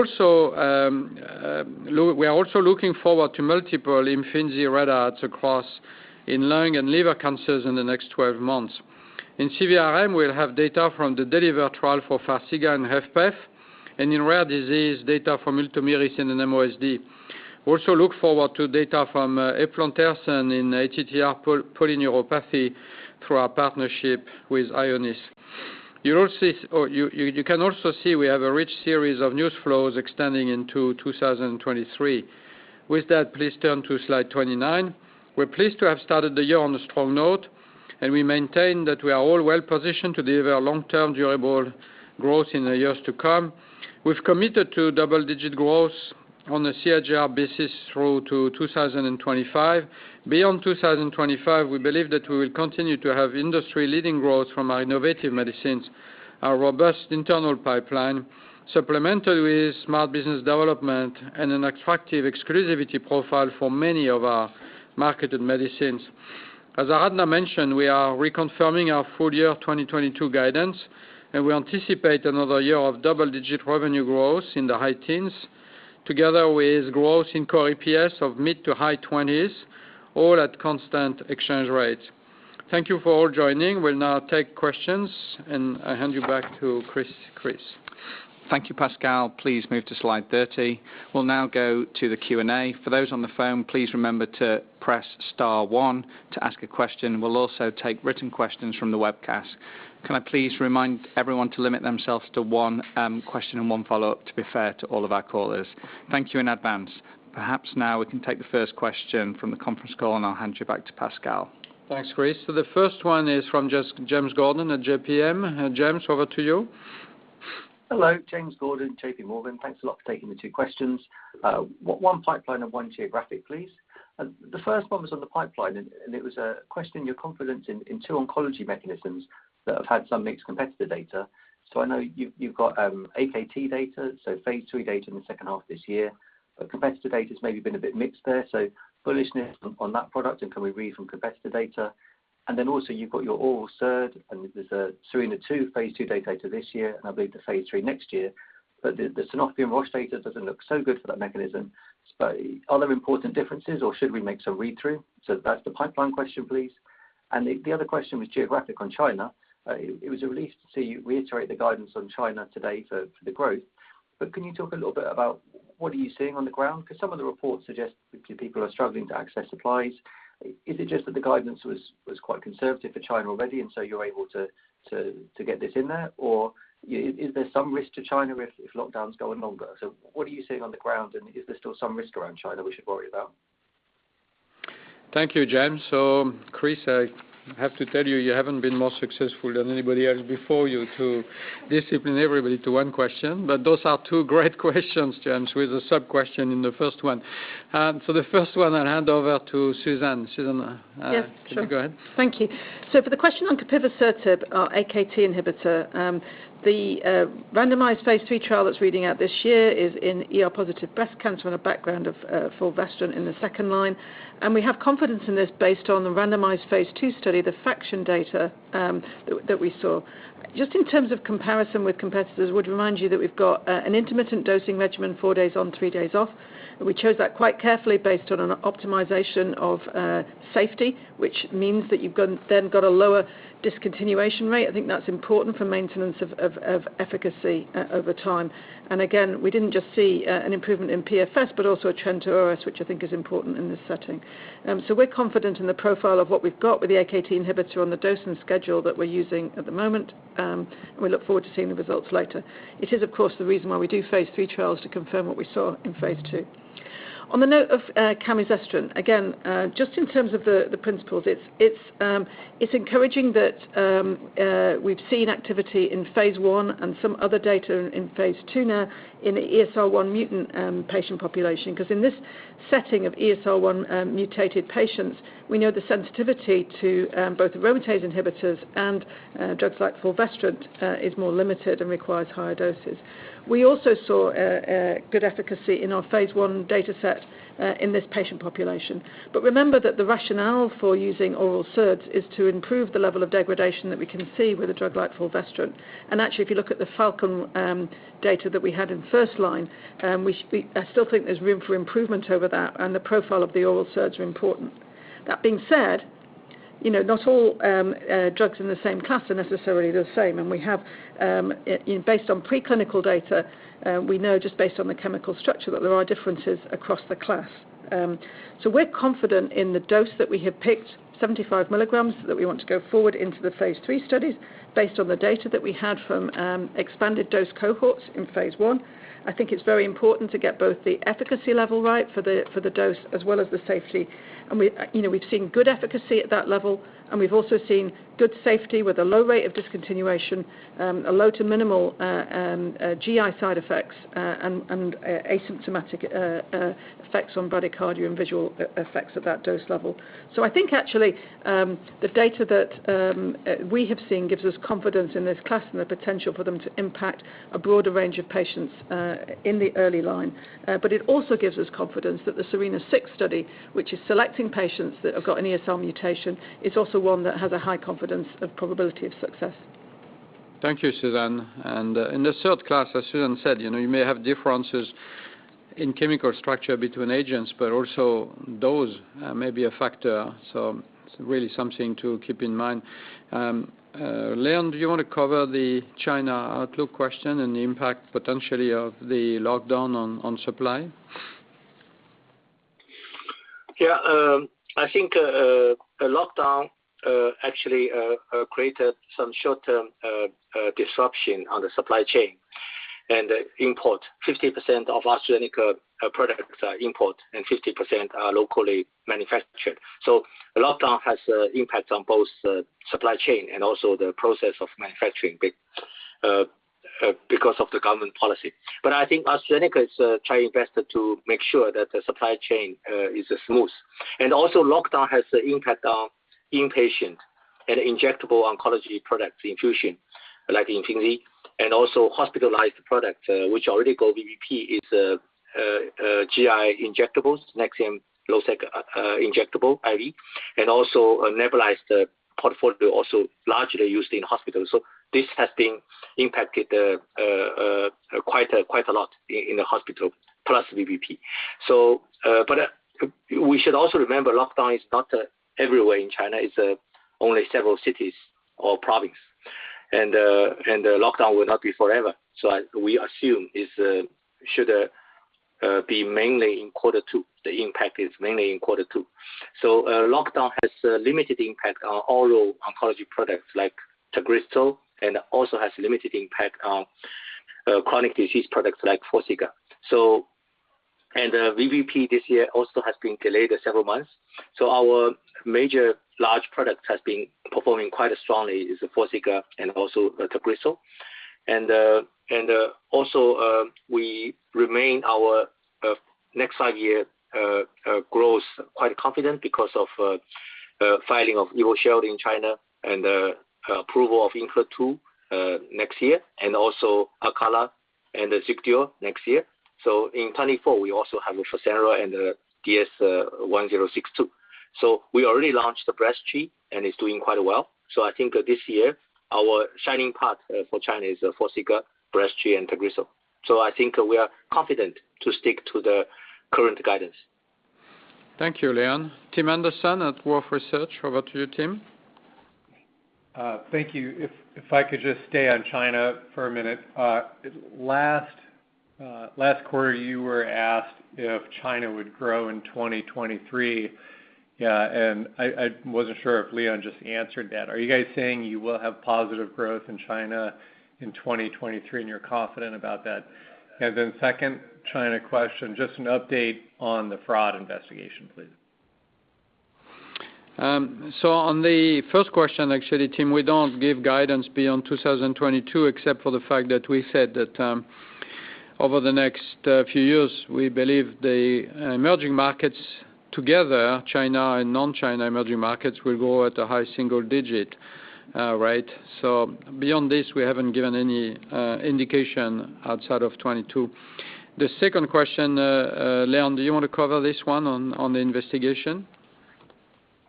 also looking forward to multiple Imfinzi readouts across lung and liver cancers in the next 12 months. In CVRM, we'll have data from the DELIVER trial for Farxiga and HFpEF, and, in rare disease, data from Ultomiris and NMOSD. Also look forward to data from eplontersen in ATTR polyneuropathy through our partnership with Ionis. You'll also see we have a rich series of news flows extending into 2023. With that, please turn to slide 29. We're pleased to have started the year on a strong note, and we maintain that we are all well positioned to deliver long-term durable growth in the years to come. We've committed to double-digit growth on a CAGR basis through to 2025. Beyond 2025, we believe that we will continue to have industry-leading growth from our innovative medicines, our robust internal pipeline, supplemented with smart business development and an attractive exclusivity profile for many of our marketed medicines. As Aradhana mentioned, we are reconfirming our full year of 2022 guidance, and we anticipate another year of double-digit revenue growth in the high teens%, together with growth in core EPS of mid- to high-20s%, all at constant exchange rates. Thank you all for joining. We'll now take questions, and I hand you back to Chris. Thank you, Pascal. Please move to slide 30. We'll now go to the Q&A. For those on the phone, please remember to press star one to ask a question. We'll also take written questions from the webcast. Can I please remind everyone to limit themselves to one question and one follow-up to be fair to all of our callers? Thank you in advance. Perhaps now we can take the first question from the conference call, and I'll hand you back to Pascal. Thanks, Chris. The first one is from James Gordon at JPMorgan. James, over to you. Hello, James Gordon, JPMorgan. Thanks a lot for taking the two questions. One pipeline and one geographic, please. The first one was on the pipeline, and it was a question on your confidence in two oncology mechanisms that have had some mixed competitor data. I know you've got AKT data, phase II data in the second half of this year. Competitor data's maybe been a bit mixed there, so bullishness on that product, and can we read from competitor data? Then also you've got your oral SERD, and there's SERENA-2 phase II data this year, and I believe the phase III next year. The Cenovus data doesn't look so good for that mechanism. Are there important differences, or should we make some read-through? That's the pipeline question, please. The other question was geographic on China. It was a relief to see you reiterate the guidance on China today for the growth. Can you talk a little bit about what are you seeing on the ground? 'Cause some of the reports suggest that people are struggling to access supplies. Is it just that the guidance was quite conservative for China already, and so you're able to get this in there? Or is there some risk to China if lockdown's going longer? What are you seeing on the ground, and is there still some risk around China we should worry about? Thank you, James. Chris, I have to tell you haven't been more successful than anybody else before you to discipline everybody to one question. Those are two great questions, James, with a sub-question in the first one. The first one I'll hand over to Susan. Susan, Yes, sure. Can you go ahead? Thank you. For the question on capivasertib, our AKT inhibitor, the randomized phase III trial that's reading out this year is in ER-positive breast cancer in a background of fulvestrant in the second line. We have confidence in this based on the randomized phase II study, the FAKTION data, that we saw. Just in terms of comparison with competitors, would remind you that we've got an intermittent dosing regimen, four days on, three days off. We chose that quite carefully based on an optimization of safety, which means that you've got a lower discontinuation rate. I think that's important for maintenance of efficacy over time. Again, we didn't just see an improvement in PFS, but also a trend to OS, which I think is important in this setting. We're confident in the profile of what we've got with the AKT inhibitor on the dose and schedule that we're using at the moment. We look forward to seeing the results later. It is, of course, the reason why we do phase III trials to confirm what we saw in phase II. On the note of camizestrant, again, just in terms of the principles, it's encouraging that we've seen activity in phase I and some other data in phase II now in the ESR1 mutant patient population. 'Cause in this setting of ESR1 mutated patients, we know the sensitivity to both aromatase inhibitors and drugs like fulvestrant is more limited and requires higher doses. We also saw good efficacy in our phase I dataset in this patient population. Remember that the rationale for using oral SERDs is to improve the level of degradation that we can see with a drug like fulvestrant. Actually, if you look at the FALCON data that we had in first-line, I still think there's room for improvement over that, and the profile of the oral SERDs are important. That being said, you know, not all drugs in the same class are necessarily the same. We have, based on preclinical data, we know just based on the chemical structure that there are differences across the class. We're confident in the dose that we have picked, 75 milligrams, that we want to go forward into the phase III studies based on the data that we had from expanded dose cohorts in phase I. I think it's very important to get both the efficacy level right for the dose as well as the safety. We, you know, we've seen good efficacy at that level, and we've also seen good safety with a low rate of discontinuation, a low to minimal GI side effects, and asymptomatic effects on bradycardia and visual effects at that dose level. I think actually, the data that we have seen gives us confidence in this class and the potential for them to impact a broader range of patients in the early line. But it also gives us confidence that the SERENA-6 study, which is selecting patients that have got an ESR1 mutation, is also one that has a high confidence of probability of success. Thank you, Susan. In the third class, as Susan said, you know, you may have differences in chemical structure between agents, but also those may be a factor. It's really something to keep in mind. Leon, do you wanna cover the China outlook question and the impact potentially of the lockdown on supply? Yeah. I think the lockdown actually created some short-term disruption on the supply chain and import. 50% of AstraZeneca products are imported and 50% are locally manufactured. The lockdown has impact on both the supply chain and also the process of manufacturing because of the government policy. I think AstraZeneca is trying best to make sure that the supply chain is smooth. Also lockdown has the impact on inpatient and injectable oncology products infusion, like Imfinzi, and also hospitalized product which already go VBP is GI injectables, Nexium, Losec injectable, IV, and also a nebulized portfolio also largely used in hospitals. This has been impacted quite a lot in the hospital plus VBP. We should also remember lockdown is not everywhere in China. It's only several cities or province. The lockdown will not be forever. As we assume should be mainly in quarter two. The impact is mainly in quarter two. Lockdown has a limited impact on oral oncology products like Tagrisso and also has limited impact on chronic disease products like Farxiga. VBP this year also has been delayed several months. Our major large product has been performing quite strongly is the Farxiga and also Tagrisso. Also, we remain our next five-year growth quite confident because of filing of Imfinzi in China and approval of Incruse too next year and also Calquence and Saphnelo next year. In 2024, we also have Orpathys and DS-1062. We already launched the Breztri and it's doing quite well. I think this year our shining star for China is Farxiga, Breztri and Tagrisso. I think we are confident to stick to the current guidance. Thank you, Leon. Tim Anderson at Wolfe Research. Over to you, Tim. Thank you. If I could just stay on China for a minute. Last quarter, you were asked if China would grow in 2023. I wasn't sure if Leon just answered that. Are you guys saying you will have positive growth in China in 2023, and you're confident about that? Second China question, just an update on the fraud investigation, please. On the first question, actually, Tim, we don't give guidance beyond 2022, except for the fact that we said that over the next few years, we believe the emerging markets together, China and non-China emerging markets, will grow at a high single-digit rate. Beyond this, we haven't given any indication outside of 2022. The second question, Leon, do you wanna cover this one on the investigation?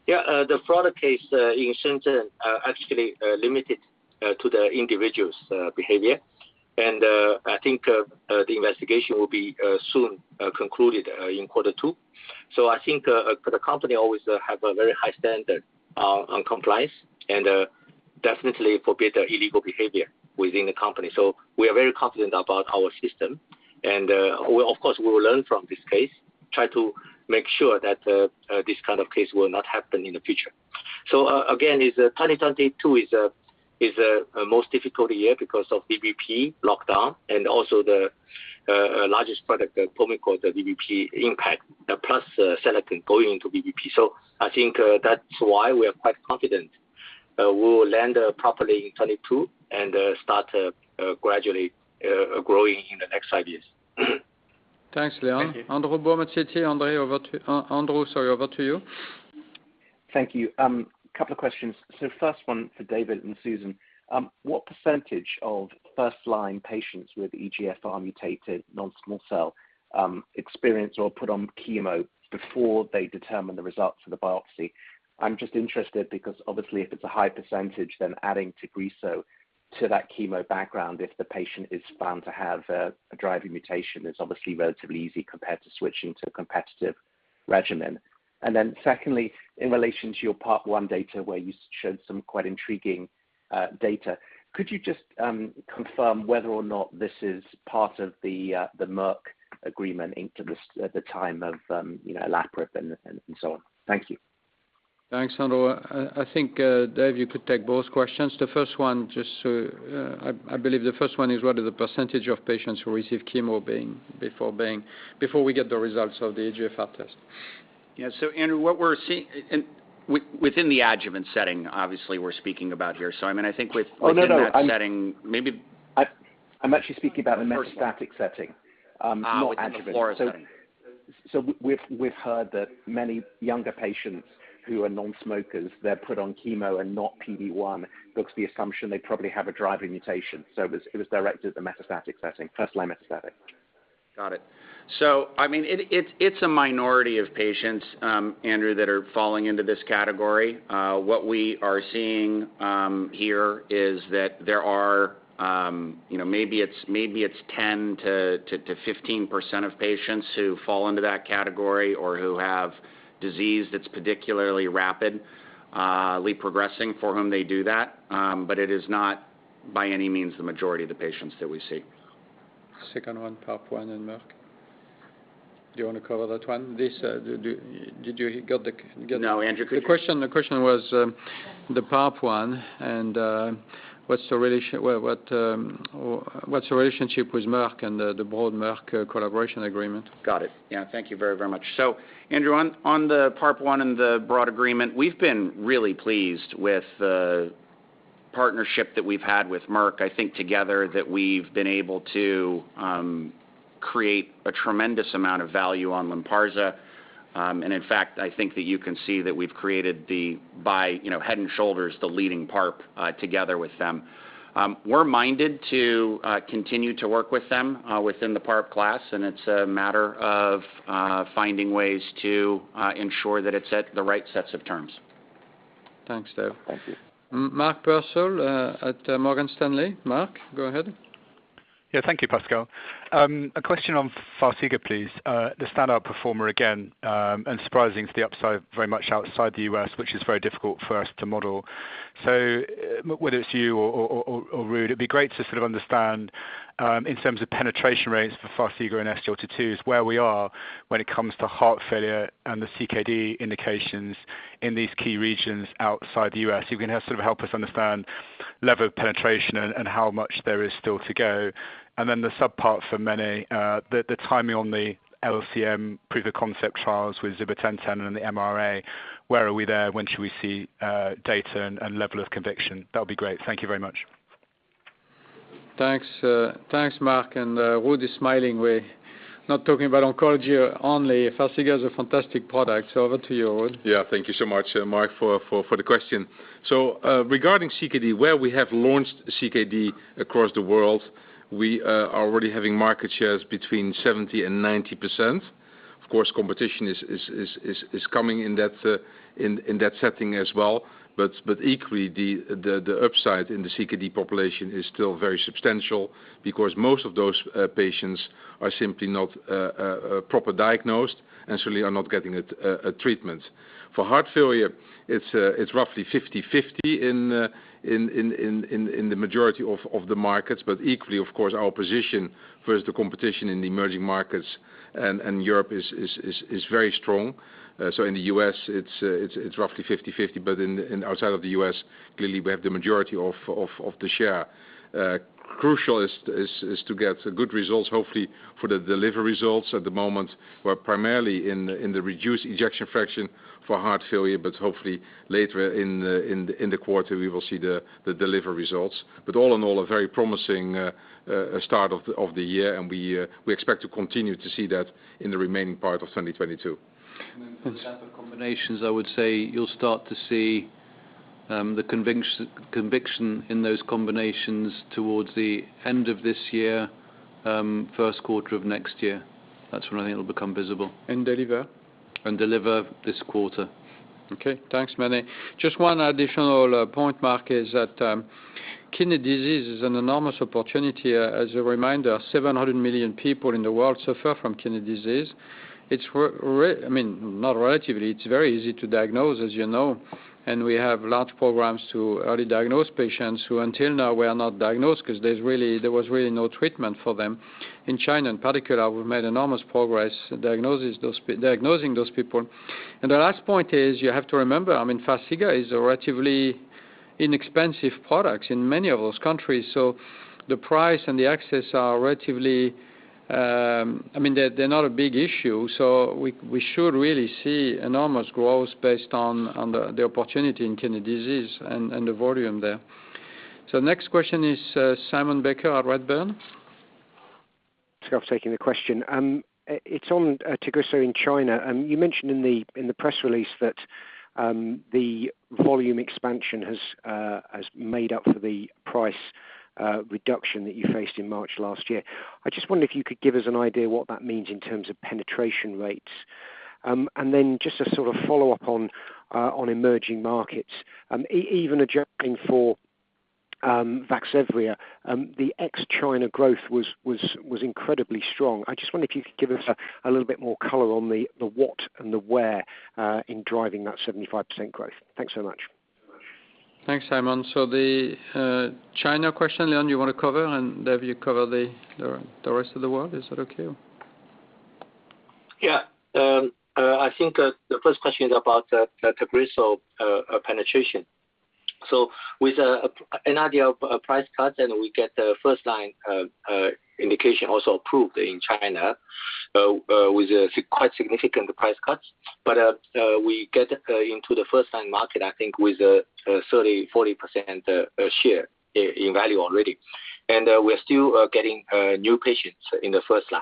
Yeah, the fraud case in Shenzhen are actually limited to the individual's behavior. I think the investigation will be soon concluded in quarter two. I think for the company always have a very high standard on compliance and definitely forbid illegal behavior within the company. We are very confident about our system. Of course, we will learn from this case, try to make sure that this kind of case will not happen in the future. 2022 is a most difficult year because of VBP lockdown and also the largest product, the Pulmicort, the VBP impact, plus Seloken going into VBP. I think that's why we are quite confident we'll land properly in 2022 and start gradually growing in the next five years. Thanks, Leon. Thank you. Andrew Baum at Citi. Andrew, sorry, over to you. Thank you. Couple of questions. First one for Dave and Susan. What percentage of first-line patients with EGFR mutated non-small cell experience or put on chemo before they determine the results of the biopsy? I'm just interested because obviously if it's a high percentage, then adding Tagrisso to that chemo background if the patient is found to have a driving mutation is obviously relatively easy compared to switching to a competitive regimen. Then secondly, in relation to your part one data where you showed some quite intriguing data, could you just confirm whether or not this is part of the Merck agreement inked at the time of, you know, olaparib and so on? Thank you. Thanks, Andrew. I think, Dave, you could take both questions. The first one, just to, I believe the first one is, what are the percentage of patients who receive chemo before we get the results of the EGFR test? Yeah. Andrew, what we're seeing and within the adjuvant setting, obviously, we're speaking about here. I mean, I think with- Oh, no. in that setting, maybe. I'm actually speaking about the metastatic setting. Not adjuvant. Within the FLAURA setting. We've heard that many younger patients who are non-smokers, they're put on chemo and not PD-1 because the assumption they probably have a driving mutation. It was directed at the metastatic setting, first line metastatic. Got it. I mean, it's a minority of patients, Andrew, that are falling into this category. What we are seeing here is that there are, you know, maybe it's 10%-15% of patients who fall into that category or who have disease that's particularly rapidly progressing for whom they do that, but it is not by any means the majority of the patients that we see. Second one, part one in Merck. Do you wanna cover that one? This, did you get the- No, Andrew, could you? The question was the part one and or what's the relationship with Merck and the broad Merck collaboration agreement? Got it. Yeah. Thank you very, very much. Andrew, on the partnership and the broad agreement, we've been really pleased with the partnership that we've had with Merck. I think together that we've been able to create a tremendous amount of value on Lynparza. In fact, I think that you can see that we've created thereby, you know, head and shoulders, the leading PARP together with them. We're minded to continue to work with them within the PARP class, and it's a matter of finding ways to ensure that it's at the right sets of terms. Thanks, Dave. Thank you. Mark Purcell at Morgan Stanley. Mark, go ahead. Yeah. Thank you, Pascal. A question on Farxiga, please. The standard performer again, and surprising to the upside very much outside the U.S., which is very difficult for us to model. Whether it's you or Ruud, it'd be great to sort of understand in terms of penetration rates for Farxiga and SGLT2s where we are when it comes to heart failure and the CKD indications in these key regions outside the U.S. You can sort of help us understand level of penetration and how much there is still to go. Then the subpart for Mene, the timing on the LCM proof of concept trials with zibotentan and the MRA, where are we there? When should we see data and level of conviction? That'll be great. Thank you very much. Thanks, Mark. Ruud is smiling. We're not talking about oncology only. Farxiga is a fantastic product. Over to you, Ruud. Thank you so much, Mark, for the question. Regarding CKD, where we have launched CKD across the world, we are already having market shares between 70% and 90%. Of course, competition is coming in that setting as well. Equally, the upside in the CKD population is still very substantial because most of those patients are simply not properly diagnosed and certainly are not getting a treatment. For heart failure, it's roughly 50-50 in the majority of the markets. Equally, of course, our position versus the competition in the emerging markets and Europe is very strong. In the US, it's roughly 50-50. Outside of the US, clearly we have the majority of the share. Crucial is to get good results, hopefully for the DELIVER results at the moment. We're primarily in the reduced ejection fraction for heart failure, but hopefully later in the quarter, we will see the DELIVER results. All in all, a very promising start of the year, and we expect to continue to see that in the remaining part of 2022. And then- Mm-hmm. for example, combinations, I would say you'll start to see the conviction in those combinations towards the end of this year, first quarter of next year. That's when I think it'll become visible. Deliver? Deliver this quarter. Okay. Thanks, Mene. Just one additional point, Mark, is that kidney disease is an enormous opportunity. As a reminder, 700 million people in the world suffer from kidney disease. I mean, not relatively, it's very easy to diagnose, as you know, and we have large programs to early diagnose patients who until now were not diagnosed 'cause there was really no treatment for them. In China, in particular, we've made enormous progress in diagnosing those people. The last point is you have to remember, I mean, Farxiga is a relatively inexpensive product in many of those countries. So the price and the access are relatively, I mean they're not a big issue, so we should really see enormous growth based on the opportunity in kidney disease and the volume there. Next question is, Simon Baker at Redburn. Thanks for taking the question. It's on Tagrisso in China. You mentioned in the press release that the volume expansion has made up for the price reduction that you faced in March last year. I just wonder if you could give us an idea what that means in terms of penetration rates. Then just to sort of follow up on emerging markets, even adjusting for Vaxzevria, the ex-China growth was incredibly strong. I just wonder if you could give us a little bit more color on the what and the where in driving that 75% growth. Thanks so much. Thanks, Simon. The China question, Leon, you wanna cover? And Dave, you cover the rest of the world. Is that okay? I think the first question is about the Tagrisso penetration. With an idea of a price cut, and we get the first line indication also approved in China with quite significant price cuts. We get into the first line market, I think with a 30%-40% share in value already. We're still getting new patients in the first line.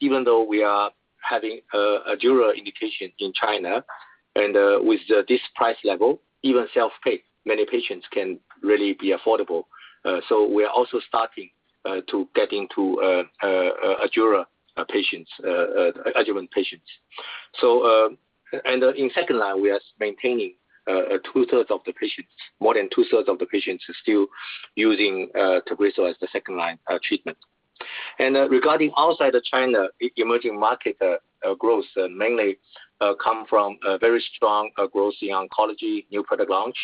Even though we are having a ADAURA indication in China and with this price level, even self-pay, many patients can really be affordable. We are also starting to get into ADAURA patients, adjuvant patients. In second line, we are maintaining two-thirds of the patients. More than two-thirds of the patients are still using Tagrisso as the second line treatment. Regarding outside of China emerging market growth mainly comes from a very strong growth in oncology new product launch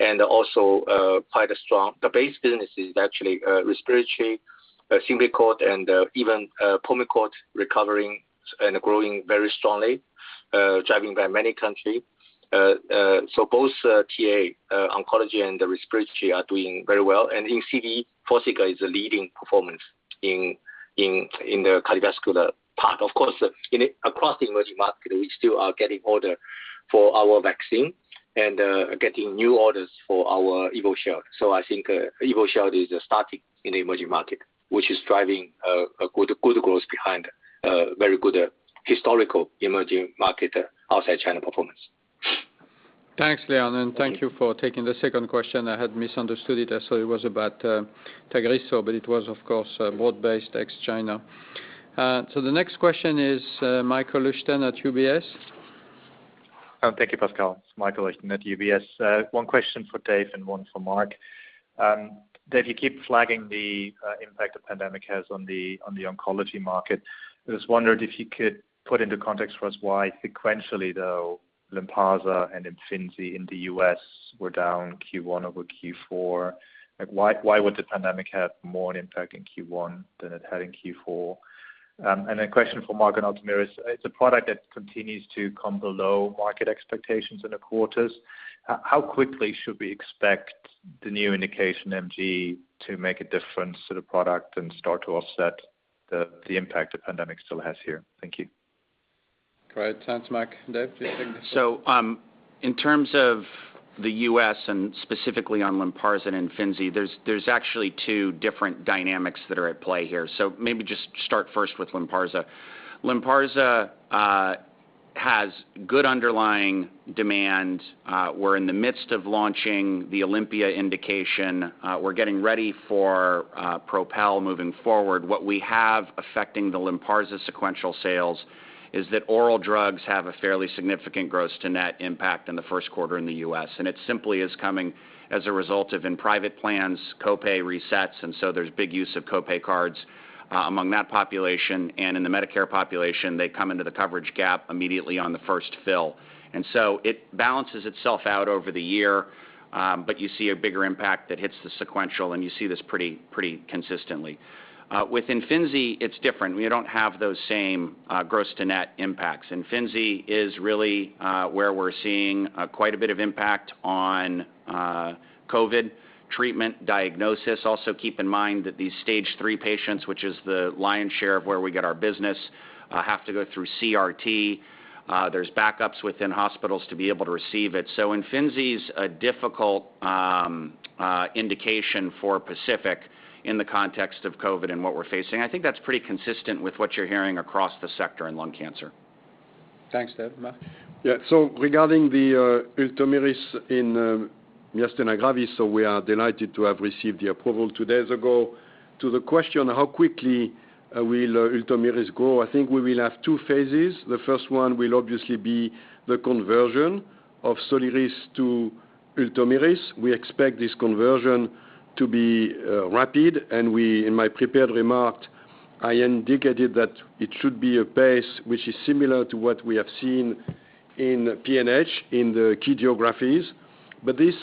and also the base business is actually respiratory, Symbicort and even Pulmicort recovering and growing very strongly driven by many countries. Both TA oncology and the respiratory are doing very well. In CV, Farxiga is a leading performer in the cardiovascular part. Of course, across the emerging market, we still are getting orders for our vaccine and getting new orders for our Evusheld. I think Evusheld is starting in the emerging market, which is driving a good growth behind very good historical emerging market outside China performance. Thanks, Leon, and thank you for taking the second question. I had misunderstood it. I thought it was about Tagrisso, but it was of course broad-based ex China. The next question is Michael Leuchten at UBS. Thank you, Pascal. It's Michael Leuchten at UBS. One question for Dave and one for Mark. Dave, you keep flagging the impact the pandemic has on the oncology market. I was wondering if you could put into context for us why sequentially, though, Lynparza and Imfinzi in the U.S. were down Q1 over Q4. Like, why would the pandemic have more impact in Q1 than it had in Q4? And a question for Mark on Ultomiris. It's a product that continues to come below market expectations in the quarters. How quickly should we expect the new indication MG to make a difference to the product and start to offset the impact the pandemic still has here? Thank you. Great. Thanks, Marc. Dave, please take this. In terms of the US and specifically on Lynparza and Imfinzi, there's actually two different dynamics that are at play here. Maybe just start first with Lynparza. Lynparza has good underlying demand. We're in the midst of launching the OlympiA indication. We're getting ready for PROPEL moving forward. What we have affecting the Lynparza sequential sales is that oral drugs have a fairly significant gross to net impact in the first quarter in the US, and it simply is coming as a result of private plans, co-pay resets, and so there's big use of co-pay cards among that population. In the Medicare population, they come into the coverage gap immediately on the first fill. It balances itself out over the year, but you see a bigger impact that hits the sequential, and you see this pretty consistently. With Imfinzi, it's different. We don't have those same gross to net impacts. Imfinzi is really where we're seeing quite a bit of impact on COVID treatment diagnosis. Also, keep in mind that these stage three patients, which is the lion's share of where we get our business, have to go through CRT. There's backups within hospitals to be able to receive it. Imfinzi's a difficult indication for PACIFIC in the context of COVID and what we're facing. I think that's pretty consistent with what you're hearing across the sector in lung cancer. Thanks, Dave. Marc? Regarding the Ultomiris in myasthenia gravis, we are delighted to have received the approval two days ago. To the question, how quickly will Ultomiris go? I think we will have two phases. The first one will obviously be the conversion of Soliris to Ultomiris. We expect this conversion to be rapid, and in my prepared remarks, I indicated that it should be a pace which is similar to what we have seen in PNH in the key geographies. This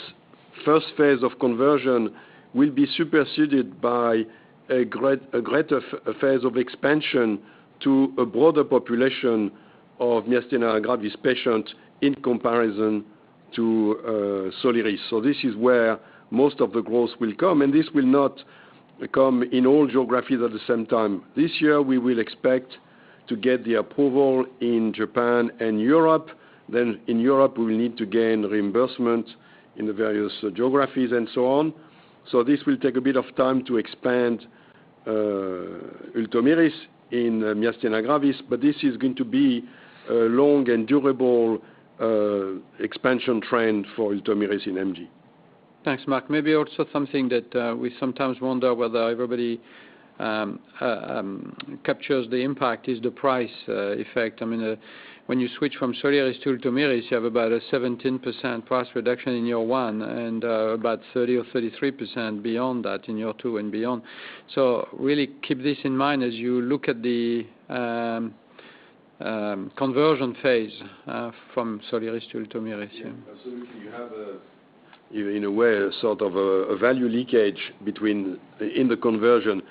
first phase of conversion will be superseded by a greater phase of expansion to a broader population of myasthenia gravis patients in comparison to Soliris. This is where most of the growth will come, and this will not come in all geographies at the same time. This year, we will expect to get the approval in Japan and Europe. In Europe, we will need to gain reimbursement in the various geographies and so on. This will take a bit of time to expand Ultomiris in myasthenia gravis, but this is going to be a long and durable expansion trend for Ultomiris in MG. Thanks, Marc. Maybe also something that we sometimes wonder whether everybody captures the impact is the price effect. I mean, when you switch from Soliris to Ultomiris, you have about a 17% price reduction in year one and about 30 or 33% beyond that in year two and beyond. Really keep this in mind as you look at the conversion phase from Soliris to Ultomiris. Yeah. Yeah. If you have, in a way, a sort of value leakage in the conversion.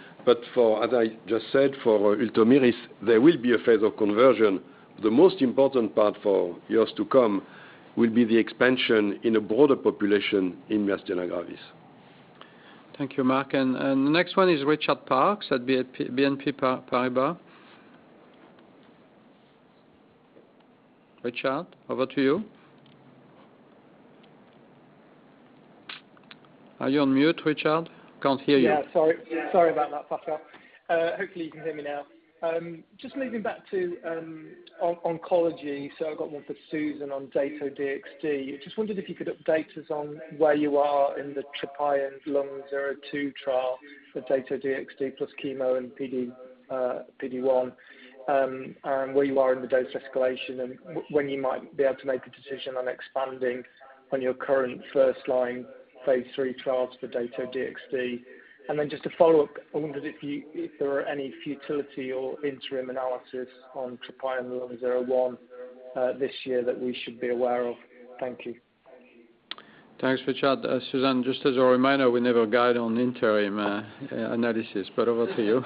For, as I just said, for Ultomiris, there will be a phase of conversion. The most important part for years to come will be the expansion in a broader population in myasthenia gravis. Thank you, Marc. The next one is Richard Parkes at BNP Paribas. Richard, over to you. Are you on mute, Richard? Can't hear you. Sorry about that. Fuck up. Hopefully you can hear me now. Just moving back to oncology. I've got one for Susan on Dato-DXd. Just wondered if you could update us on where you are in the TROPION-Lung02 trial for Dato-DXd plus chemo and PD-1, and where you are in the dose escalation and when you might be able to make a decision on expanding on your current first line phase III trials for Dato-DXd. Then just to follow up, I wondered if you, if there are any futility or interim analysis on TROPION-Lung01 this year that we should be aware of. Thank you. Thanks, Richard. Susan, just as a reminder, we never guide on interim analysis, but over to you.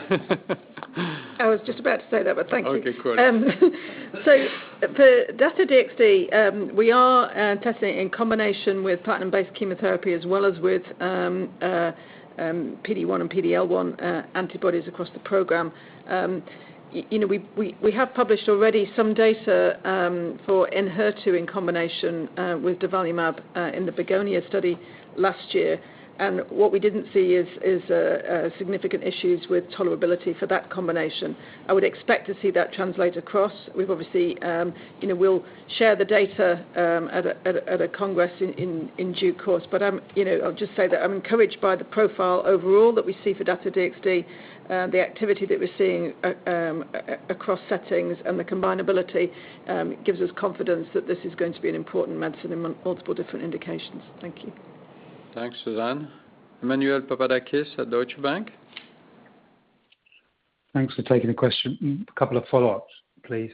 I was just about to say that, but thank you. Okay, great. For Dato-DXd, we are testing in combination with platinum-based chemotherapy as well as with PD-1 and PD-L1 antibodies across the program. You know, we have published already some data for HER2 in combination with durvalumab in the BEGONIA study last year. What we didn't see is significant issues with tolerability for that combination. I would expect to see that translate across. We've obviously, you know, we'll share the data at a congress in due course. You know, I'll just say that I'm encouraged by the profile overall that we see for Dato-DXd. The activity that we're seeing across settings and the combinability gives us confidence that this is going to be an important medicine in multiple different indications. Thank you. Thanks, Susan. Emmanuel Papadakis at Deutsche Bank. Thanks for taking the question. A couple of follow-ups, please.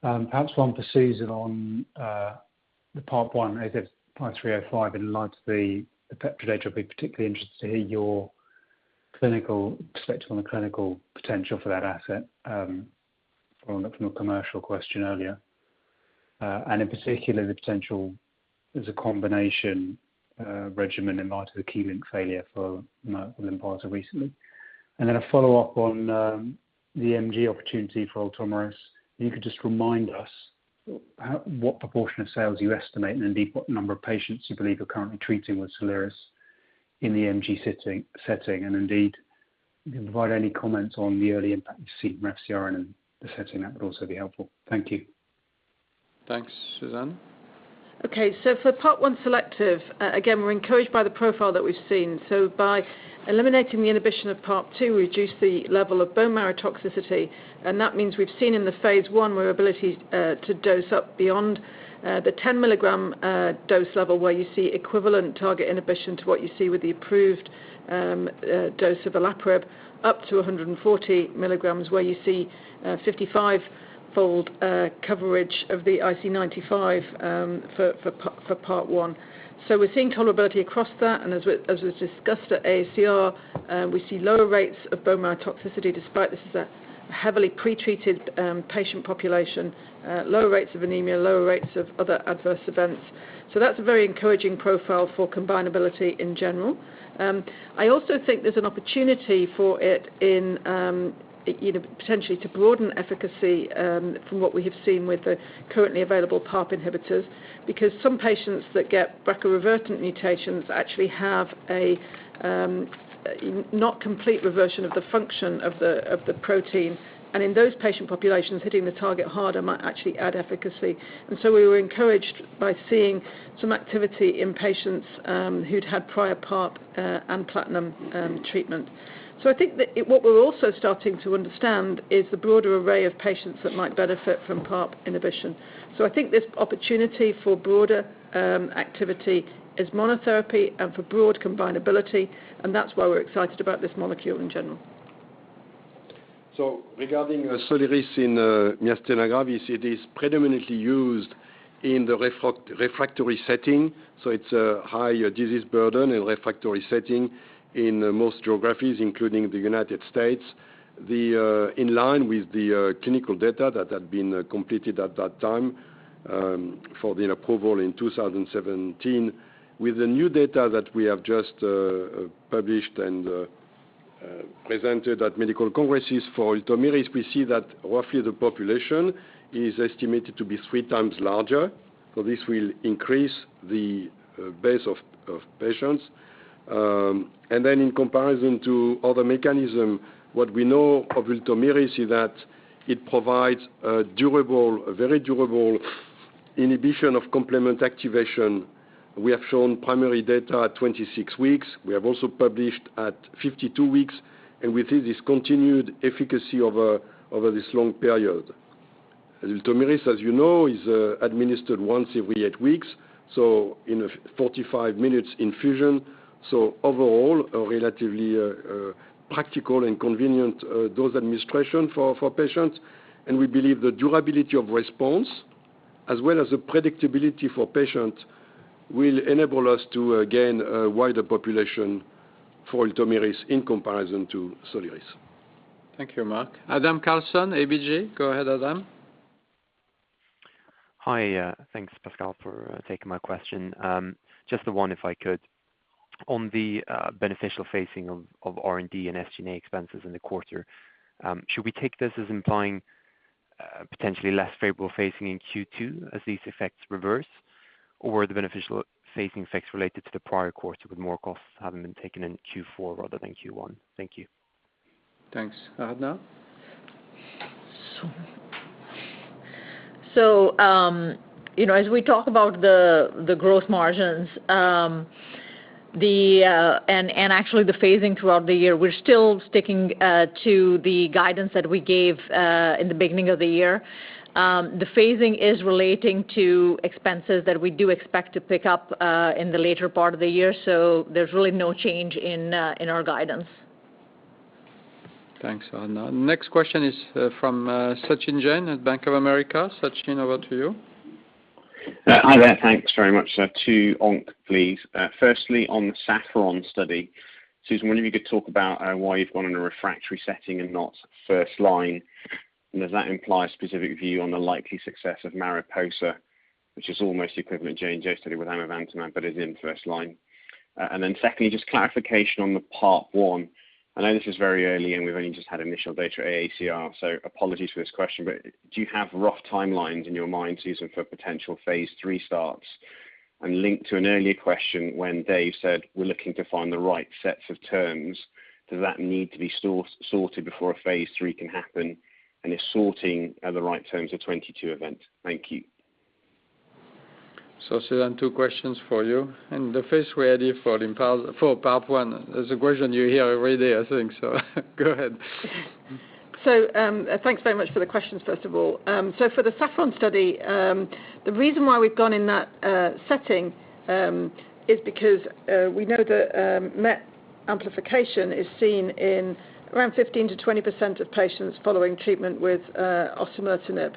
Perhaps one for Susan on the PARP1, AZ 5305. In light of the peptide, I'd be particularly interested to hear your clinical perspective on the clinical potential for that asset from a commercial question earlier. In particular, the potential as a combination regimen in light of the KEYLYNK failure for Lynparza recently. Then a follow-up on the MG opportunity for Ultomiris. If you could just remind us what proportion of sales you estimate, and indeed what number of patients you believe are currently treating with Soliris in the MG setting, and indeed, if you can provide any comments on the early impact you've seen from FcRn in the setting, that would also be helpful. Thank you. Thanks. Susan? Okay. For PARP1 selective, again, we're encouraged by the profile that we've seen. By eliminating the inhibition of PARP-2, we reduce the level of bone marrow toxicity, and that means we've seen in the phase I the ability to dose up beyond the 10-milligram dose level, where you see equivalent target inhibition to what you see with the approved dose of olaparib up to 140 milligrams, where you see 55-fold coverage of the IC95 for PARP1. We're seeing tolerability across that, and as was discussed at AACR, we see lower rates of bone marrow toxicity despite this is a heavily pre-treated patient population. Lower rates of anemia, lower rates of other adverse events. That's a very encouraging profile for combinability in general. I also think there's an opportunity for it in you know, potentially to broaden efficacy from what we have seen with the currently available PARP inhibitors, because some patients that get BRCA revertant mutations actually have a not complete reversion of the function of the protein. In those patient populations, hitting the target harder might actually add efficacy. We were encouraged by seeing some activity in patients who'd had prior PARP and platinum treatment. What we're also starting to understand is the broader array of patients that might benefit from PARP inhibition. I think this opportunity for broader activity is monotherapy and for broad combinability, and that's why we're excited about this molecule in general. Regarding Soliris in myasthenia gravis, it is predominantly used in the refractory setting, so it's a high disease burden in refractory setting in most geographies, including the United States, it's in line with the clinical data that had been completed at that time for the approval in 2017. With the new data that we have just published and presented at medical congresses for Ultomiris, we see that roughly the population is estimated to be three times larger, so this will increase the base of patients. In comparison to other mechanism, what we know of Ultomiris is that it provides a durable, a very durable inhibition of complement activation. We have shown primary data at 26 weeks. We have also published at 52 weeks, and we see this continued efficacy over this long period. Ultomiris, as you know, is administered once every eight weeks, so in a 45-minute infusion, so overall, a relatively practical and convenient dose administration for patients. We believe the durability of response, as well as the predictability for patients, will enable us to gain a wider population for Ultomiris in comparison to Soliris. Thank you, Marc. Adam Carson, ABG. Go ahead, Adam. Hi. Thanks Pascal, for taking my question. Just the one, if I could. On the beneficial phasing of R&D and SG&A expenses in the quarter, should we take this as implying potentially less favorable phasing in Q2 as these effects reverse or the beneficial phasing effects related to the prior quarter with more costs having been taken in Q4 rather than Q1? Thank you. Thanks. Arna? You know, as we talk about the growth margins, and actually the phasing throughout the year, we're still sticking to the guidance that we gave in the beginning of the year. The phasing is relating to expenses that we do expect to pick up in the later part of the year. There's really no change in our guidance. Thanks, Arna. Next question is from Sachin Jain at Bank of America. Sachin, over to you. Hi there. Thanks very much. To Onc, please. Firstly, on the SAFFRON study, Susan, wonder if you could talk about why you've gone in a refractory setting and not first line, and does that imply specific view on the likely success of MARIPOSA, which is almost equivalent Janssen study with amivantamab but is in first line. Secondly, just clarification on the PARP1. I know this is very early, and we've only just had initial data at AACR, so apologies for this question, but do you have rough timelines in your mind, Susan, for potential phase III starts and linked to an earlier question when Dave said, "We're looking to find the right sets of tumors," does that need to be sorted before a phase III can happen? Is sorting out the right tumors a 2022 event? Thank you. Susan, two questions for you. The first related to the Imfinzi for PARP1. It's a question you hear every day, I think so. Go ahead. Thanks very much for the questions, first of all. For the SAFFRON study, the reason why we've gone in that setting is because we know that MET amplification is seen in around 15%-20% of patients following treatment with osimertinib.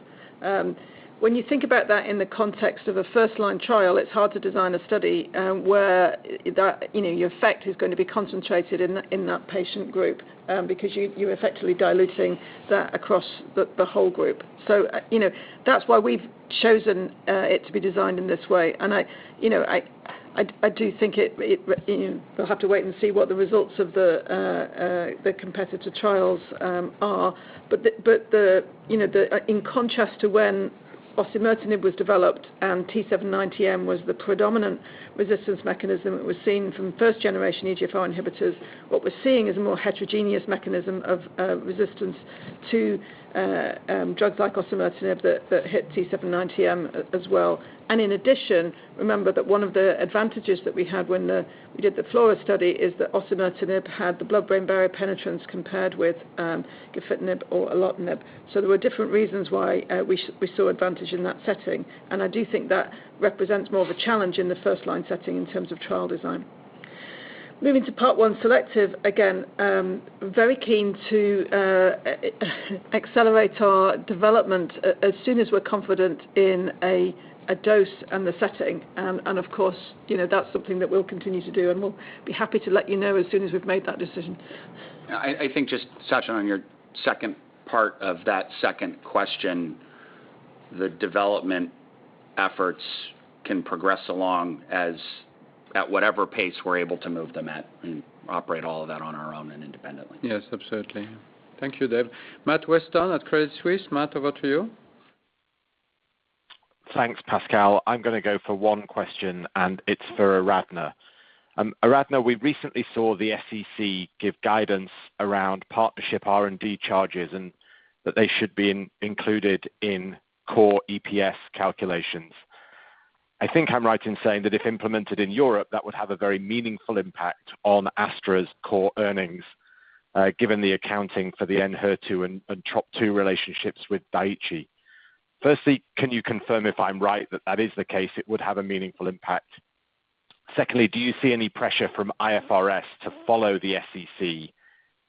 When you think about that in the context of a first-line trial, it's hard to design a study where that, you know, your effect is gonna be concentrated in that patient group because you're effectively diluting that across the whole group. You know, that's why we've chosen it to be designed in this way. You know, I do think we'll have to wait and see what the results of the competitor trials are. In contrast to when osimertinib was developed and T790M was the predominant resistance mechanism it was seen from first generation EGFR inhibitors, you know, what we're seeing is a more heterogeneous mechanism of resistance to drugs like osimertinib that hit T790M as well. In addition, remember that one of the advantages that we had when we did the FLAURA study is that osimertinib had the blood-brain barrier penetrance compared with gefitinib or erlotinib. There were different reasons why we saw advantage in that setting. I do think that represents more of a challenge in the first line setting in terms of trial design. Moving to PARP1 selective, again, very keen to accelerate our development as soon as we're confident in a dose and the setting. Of course, you know, that's something that we'll continue to do, and we'll be happy to let you know as soon as we've made that decision. I think just, Sachin, on your second part of that second question, the development efforts can progress along as at whatever pace we're able to move them at and operate all of that on our own and independently. Yes, absolutely. Thank you, Dave. Matt Weston at Credit Suisse. Matt, over to you. Thanks, Pascal. I'm gonna go for one question, and it's for Aradhana. Aradhana, we recently saw the SEC give guidance around partnership R&D charges and that they should be included in core EPS calculations. I think I'm right in saying that if implemented in Europe, that would have a very meaningful impact on Astra's core earnings, given the accounting for the Enhertu and TROP2 relationships with Daiichi Sankyo. Firstly, can you confirm if I'm right that that is the case, it would have a meaningful impact? Secondly, do you see any pressure from IFRS to follow the SEC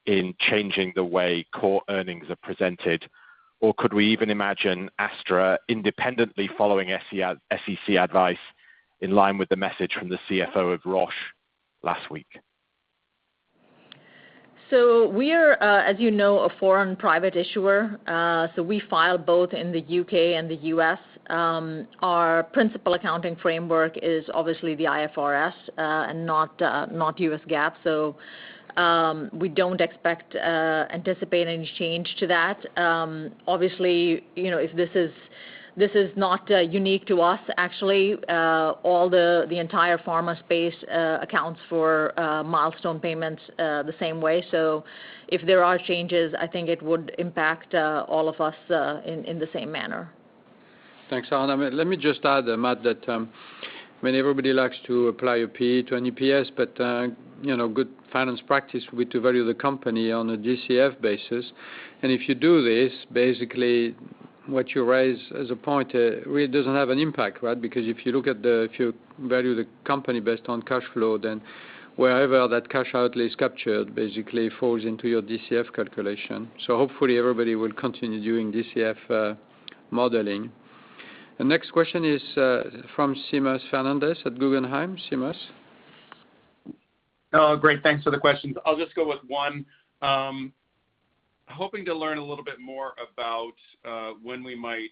in changing the way core earnings are presented? Or could we even imagine Astra independently following SEC advice in line with the message from the CFO of Roche last week? We are, as you know, a foreign private issuer, so we file both in the U.K. and the U.S. Our principal accounting framework is obviously the IFRS, and not U.S. GAAP. We don't anticipate any change to that. Obviously, you know, this is not unique to us, actually. All the entire pharma space accounts for milestone payments the same way. If there are changes, I think it would impact all of us in the same manner. Thanks, Aradhana. Let me just add, Matt, that, I mean, everybody likes to apply a P to an EPS, but, you know, good finance practice will be to value the company on a DCF basis. If you do this, basically what you raise as a point, really doesn't have an impact, right? Because if you value the company based on cash flow, then wherever that cash outlay is captured, basically falls into your DCF calculation. Hopefully, everybody will continue doing DCF modeling. The next question is from Seamus Fernandez at Guggenheim. Seamus? Oh, great. Thanks for the questions. I'll just go with one. Hoping to learn a little bit more about when we might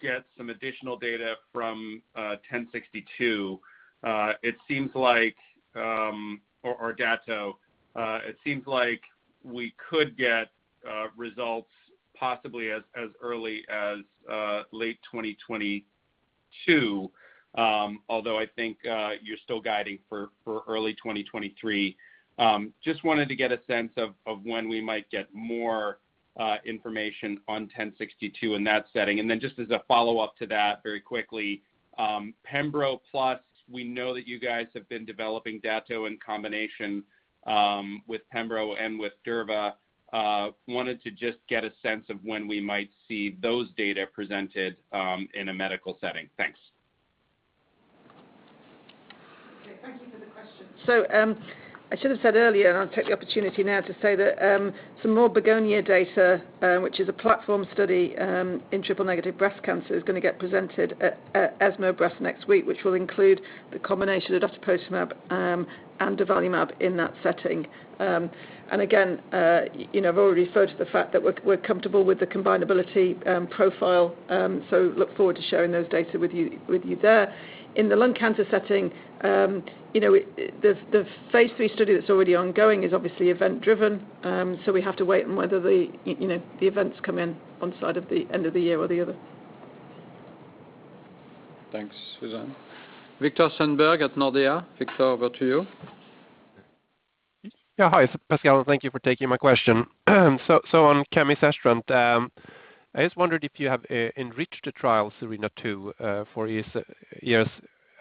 get some additional data from DS-1062. It seems like we could get results possibly as early as late 2022, although I think you're still guiding for early 2023. Just wanted to get a sense of when we might get more information on DS-1062 in that setting. Just as a follow-up to that very quickly, pembrolizumab plus, we know that you guys have been developing Dato-DXd in combination with pembrolizumab and with durvalumab. Wanted to just get a sense of when we might see those data presented in a medical setting. Thanks. Okay, thank you for the question. I should have said earlier, and I'll take the opportunity now to say that some more BEGONIA data, which is a platform study in triple-negative breast cancer, is gonna get presented at ESMO Breast next week, which will include the combination datopotamab deruxtecan and durvalumab in that setting. You know, I've already referred to the fact that we're comfortable with the combinability profile, so look forward to sharing those data with you there. In the lung cancer setting, you know, the phase III study that's already ongoing is obviously event-driven, so we have to wait on whether you know the events come in on one side of the end of the year or the other. Thanks, Susan. Viktor Sundberg at Nordea. Viktor, over to you. Yeah. Hi, Pascal, thank you for taking my question. On camizestrant, I just wondered if you have enriched the trial SERENA-2 for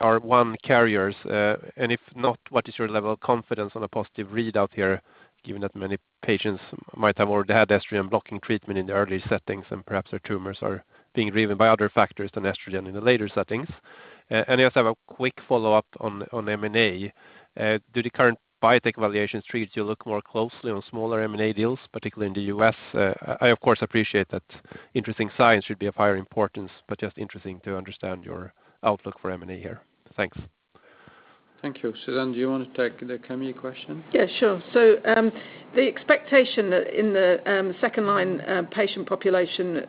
ESR1 carriers. And if not, what is your level of confidence on a positive readout here, given that many patients might have already had fulvestrant blocking treatment in the early settings and perhaps their tumors are being driven by other factors than estrogen in the later settings? And I also have a quick follow-up on M&A. Do the current biotech valuations make you look more closely on smaller M&A deals, particularly in the U.S.? I of course appreciate that interesting science should be of higher importance, but just interesting to understand your outlook for M&A here. Thanks. Thank you. Susan, do you want to take the Kami question? Yeah, sure. The expectation that in the second-line patient population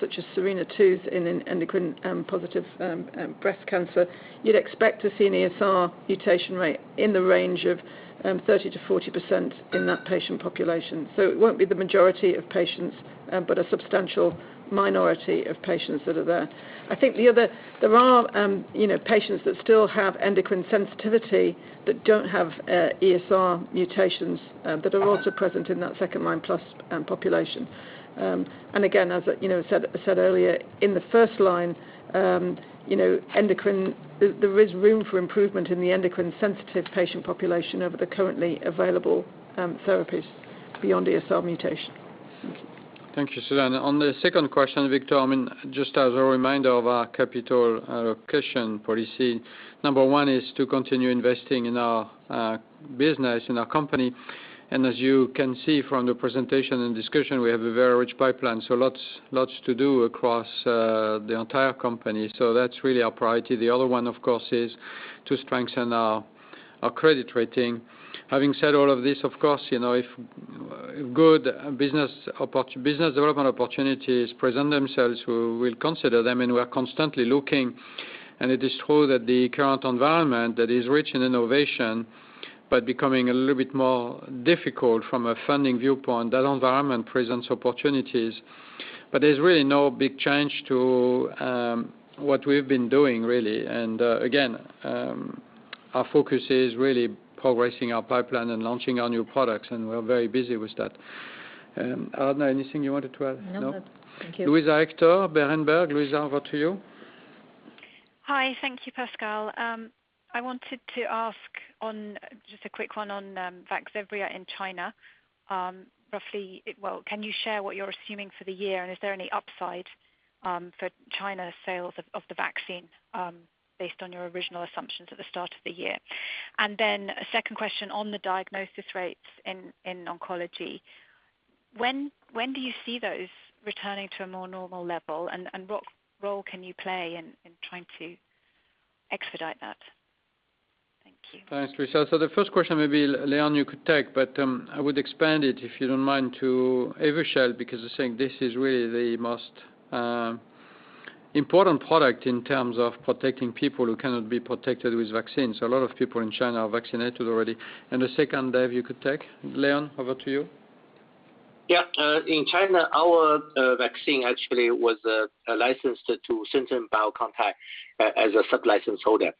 such as SERENA-2 in an ER-positive breast cancer, you'd expect to see an ESR1 mutation rate in the range of 30%-40% in that patient population. It won't be the majority of patients, but a substantial minority of patients that are there. I think there are, you know, patients that still have endocrine sensitivity that don't have ESR1 mutations that are also present in that second-line-plus population. And again, as I, you know, said earlier, in the first-line, you know, endocrine, there is room for improvement in the endocrine-sensitive patient population over the currently available therapies beyond ESR1 mutation. Thank you. Thank you, Susan. On the second question, Viktor, I mean, just as a reminder of our capital allocation policy, number one is to continue investing in our business, in our company. As you can see from the presentation and discussion, we have a very rich pipeline, so lots to do across the entire company. That's really our priority. The other one, of course, is to strengthen our credit rating. Having said all of this, of course, you know, if good business development opportunities present themselves, we'll consider them, and we're constantly looking. It is true that the current environment that is rich in innovation, but becoming a little bit more difficult from a funding viewpoint, that environment presents opportunities. There's really no big change to what we've been doing, really. Our focus is really progressing our pipeline and launching our new products, and we're very busy with that. Arna, anything you wanted to add? No. No. Thank you. Luisa Hector, Berenberg. Luisa, over to you. Hi. Thank you, Pascal. I wanted to ask on just a quick one on Vaxzevria in China. Roughly, can you share what you're assuming for the year? Is there any upside for China sales of the vaccine based on your original assumptions at the start of the year? A second question on the diagnosis rates in oncology. When do you see those returning to a more normal level? What role can you play in trying to expedite that? Thank you. Thanks, Luisa. The first question maybe, Leon, you could take, but I would expand it, if you don't mind, to Evusheld because I think this is really the most important product in terms of protecting people who cannot be protected with vaccines. A lot of people in China are vaccinated already. The second, Dave, you could take. Leon, over to you. Yeah. In China, our vaccine actually was licensed to Shenzhen Biocontech as a sublicense holder.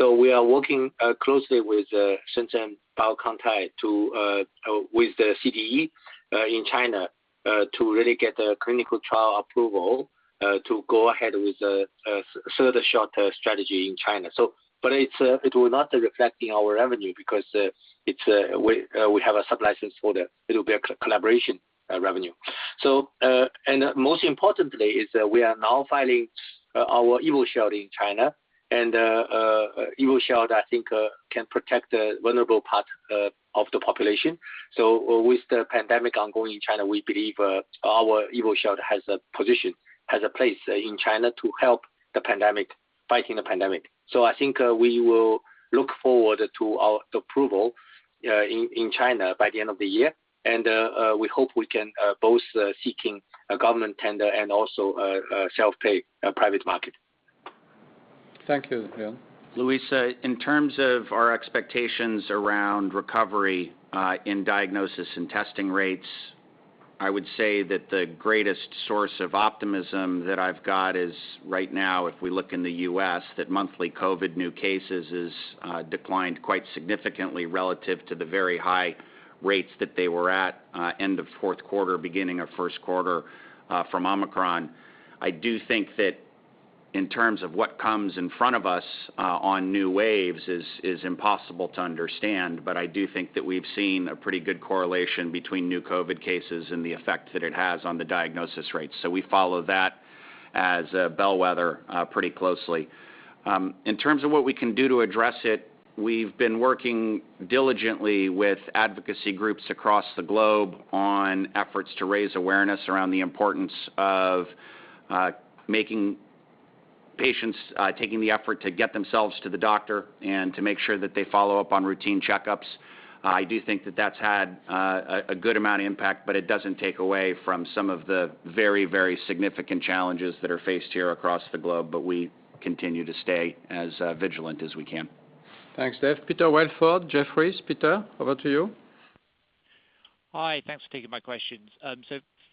We are working closely with Shenzhen Biocontech with the CDE in China to really get the clinical trial approval to go ahead with a sort of shot strategy in China. It will not be reflecting our revenue because we have a sublicense holder. It will be a collaboration revenue. Most importantly is we are now filing our Evusheld in China, and Evusheld, I think, can protect the vulnerable part of the population. With the pandemic ongoing in China, we believe our Evusheld has a position, has a place in China to help the pandemic, fighting the pandemic. I think we will look forward to our approval in China by the end of the year. We hope we can both seek a government tender and also self-pay private market. Thank you, Leon. Luisa, in terms of our expectations around recovery in diagnosis and testing rates, I would say that the greatest source of optimism that I've got is right now, if we look in the U.S., that monthly COVID new cases is declined quite significantly relative to the very high rates that they were at end of fourth quarter, beginning of first quarter from Omicron. I do think that in terms of what comes in front of us on new waves is impossible to understand, but I do think that we've seen a pretty good correlation between new COVID cases and the effect that it has on the diagnosis rates. We follow that as a bellwether pretty closely. In terms of what we can do to address it, we've been working diligently with advocacy groups across the globe on efforts to raise awareness around the importance of making patients taking the effort to get themselves to the doctor and to make sure that they follow up on routine checkups. I do think that that's had a good amount of impact, but it doesn't take away from some of the very, very significant challenges that are faced here across the globe. We continue to stay as vigilant as we can. Thanks, Dave. Peter Welford, Jefferies. Peter, over to you. Hi. Thanks for taking my questions.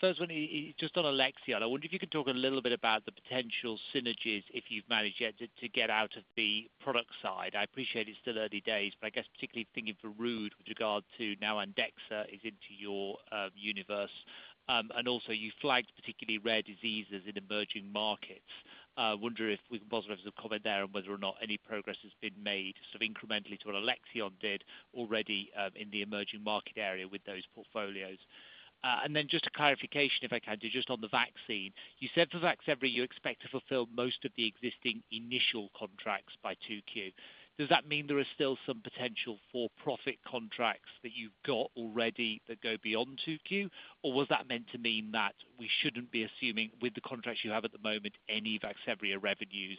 First one, just on Alexion. I wonder if you could talk a little bit about the potential synergies if you've managed yet to get out of the product side. I appreciate it's still early days, but I guess particularly thinking for Ruud with regard to now Andexxa is into your universe. You flagged particularly rare diseases in emerging markets. Wonder if we can possibly have some comment there on whether or not any progress has been made sort of incrementally to what Alexion did already in the emerging market area with those portfolios. Then just a clarification, if I can, just on the vaccine. You said for Vaxzevria, you expect to fulfill most of the existing initial contracts by 2Q. Does that mean there are still some potential for-profit contracts that you've got already that go beyond 2Q? Or was that meant to mean that we shouldn't be assuming with the contracts you have at the moment any Vaxzevria revenues,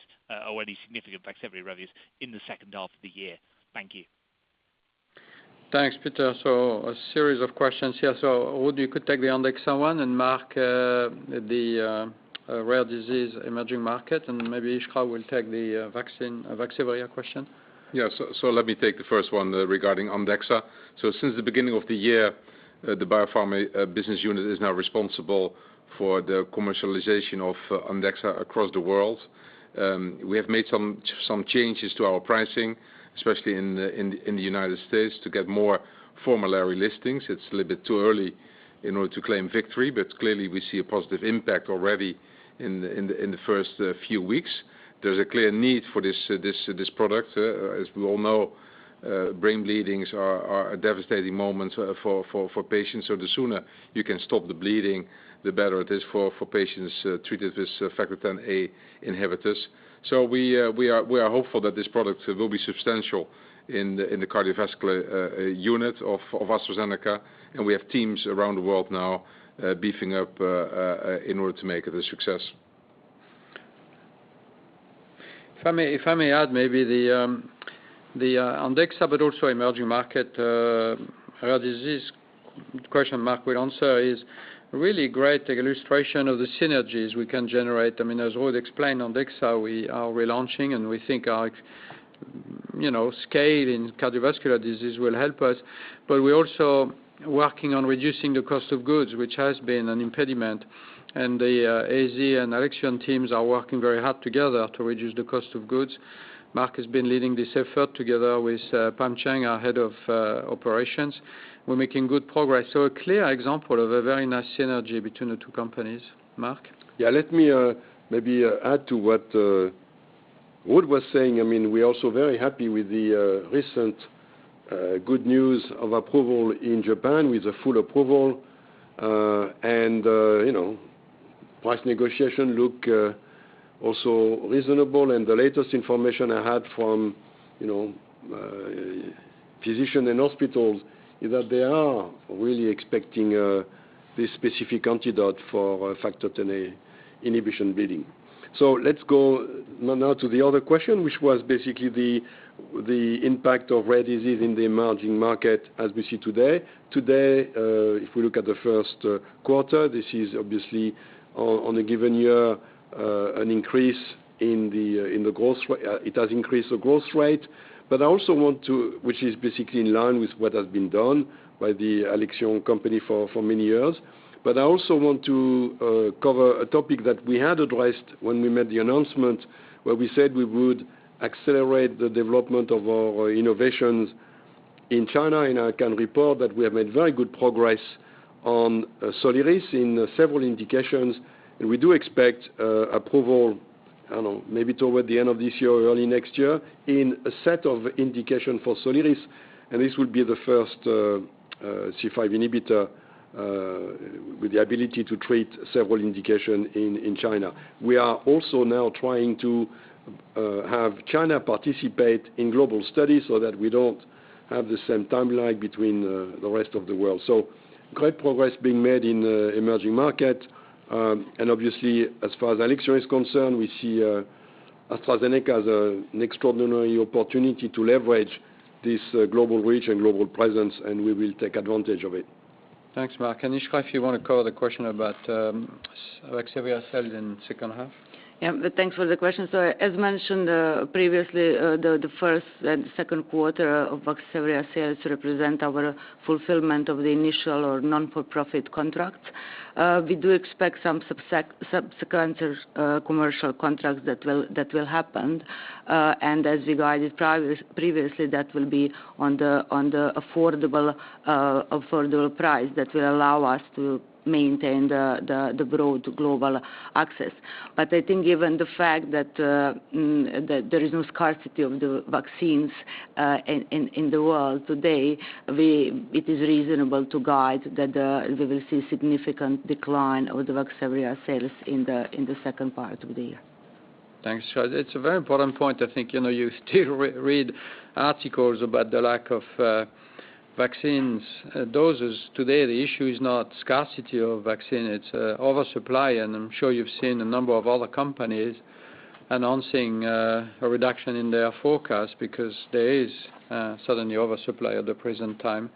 or any significant Vaxzevria revenues in the second half of the year? Thank you. Thanks, Peter. A series of questions here. Ruud, you could take the Andexxa one, and Marc, the rare disease emerging market, and maybe Iskra will take the vaccine, Vaxzevria question. Let me take the first one regarding Andexxa. Since the beginning of the year, the biopharma business unit is now responsible for the commercialization of Andexxa across the world. We have made some changes to our pricing, especially in the United States to get more formulary listings. It's a little bit too early in order to claim victory, but clearly we see a positive impact already in the first few weeks. There's a clear need for this product. As we all know, brain bleedings are a devastating moment for patients. The sooner you can stop the bleeding, the better it is for patients treated with factor XIa inhibitors. We are hopeful that this product will be substantial in the cardiovascular unit of AstraZeneca, and we have teams around the world now beefing up in order to make it a success. If I may add the Andexxa, but also emerging market rare disease question Marc will answer is really great illustration of the synergies we can generate. I mean, as Ruud explained Andexxa, we are relaunching, and we think our, you know, scale in cardiovascular disease will help us. We're also working on reducing the cost of goods, which has been an impediment. The AZ and Alexion teams are working very hard together to reduce the cost of goods. Marc has been leading this effort together with Pam Cheng, our head of operations. We're making good progress. A clear example of a very nice synergy between the two companies. Marc? Yeah, let me maybe add to what Ruud was saying. I mean, we're also very happy with the recent good news of approval in Japan with a full approval. You know, price negotiation looks also reasonable. The latest information I had from you know, physicians and hospitals is that they are really expecting this specific antidote for factor Xa inhibitor bleeding. Let's go now to the other question, which was basically the impact of rare disease in the emerging market as we see today. Today, if we look at the first quarter, this is obviously on a given year an increase in the growth rate. It has increased the growth rate. I also want to, which is basically in line with what has been done by the Alexion company for many years. I also want to cover a topic that we had addressed when we made the announcement, where we said we would accelerate the development of our innovations in China, and I can report that we have made very good progress on Soliris in several indications. We do expect approval, I don't know, maybe toward the end of this year or early next year, in a set of indications for Soliris, and this will be the first C5 inhibitor with the ability to treat several indications in China. We are also now trying to have China participate in global studies so that we don't have the same timeline between the rest of the world. Great progress being made in emerging market. Obviously, as far as Alexion is concerned, we see AstraZeneca as an extraordinary opportunity to leverage this global reach and global presence, and we will take advantage of it. Thanks, Marc. Iskra, if you wanna cover the question about Alexion sales in second half. Yeah. Thanks for the question. As mentioned previously, the first and second quarter of Vaxzevria sales represent our fulfillment of the initial non-profit contracts. We do expect some subsequent commercial contracts that will happen. As we guided previously, that will be on the affordable price that will allow us to maintain the broad global access. I think given the fact that there is no scarcity of the vaccines in the world today, it is reasonable to guide that we will see significant decline of the Vaxzevria sales in the second part of the year. Thanks, Iskra. It's a very important point. I think, you know, you still re-read articles about the lack of vaccines doses. Today, the issue is not scarcity of vaccine, it's oversupply. I'm sure you've seen a number of other companies announcing a reduction in their forecast because there is suddenly oversupply at the present time.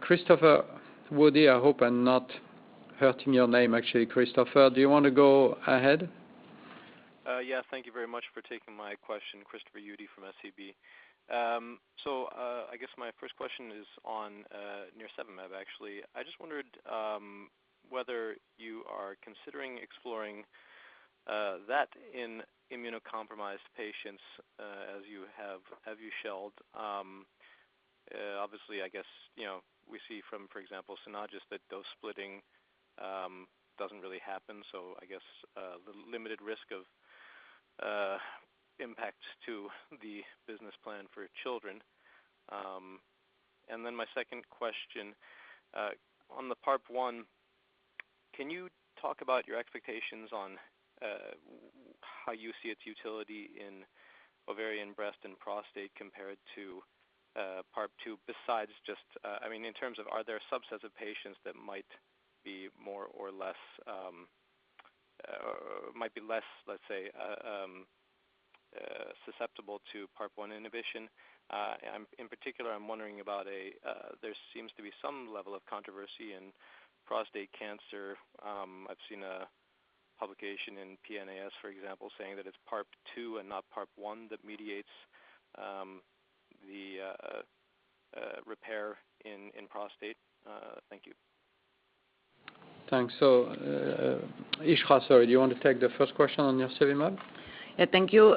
Christopher Uhde, I hope I'm not butchering your name. Actually, Christopher, do you wanna go ahead? Yeah, thank you very much for taking my question, Christopher Uhde from SEB. So, I guess my first question is on nirsevimab, actually. I just wondered whether you are considering exploring that in immunocompromised patients, as you have with Evusheld. Obviously, I guess, you know, we see from, for example, Synagis that dose splitting doesn't really happen, so I guess the limited risk of impact to the business plan for children. Then my second question on the PARP-1, can you talk about your expectations on how you see its utility in ovarian, breast, and prostate compared to PARP-2, besides just, I mean, in terms of are there subsets of patients that might be more or less. Might be less, let's say, susceptible to PARP-1 inhibition. In particular, I'm wondering about a. There seems to be some level of controversy in prostate cancer. I've seen a publication in PNAS, for example, saying that it's PARP-2 and not PARP-1 that mediates the repair in prostate. Thank you. Thanks. Sorry, Iskra, do you want to take the first question on nirsevimab? Yeah, thank you.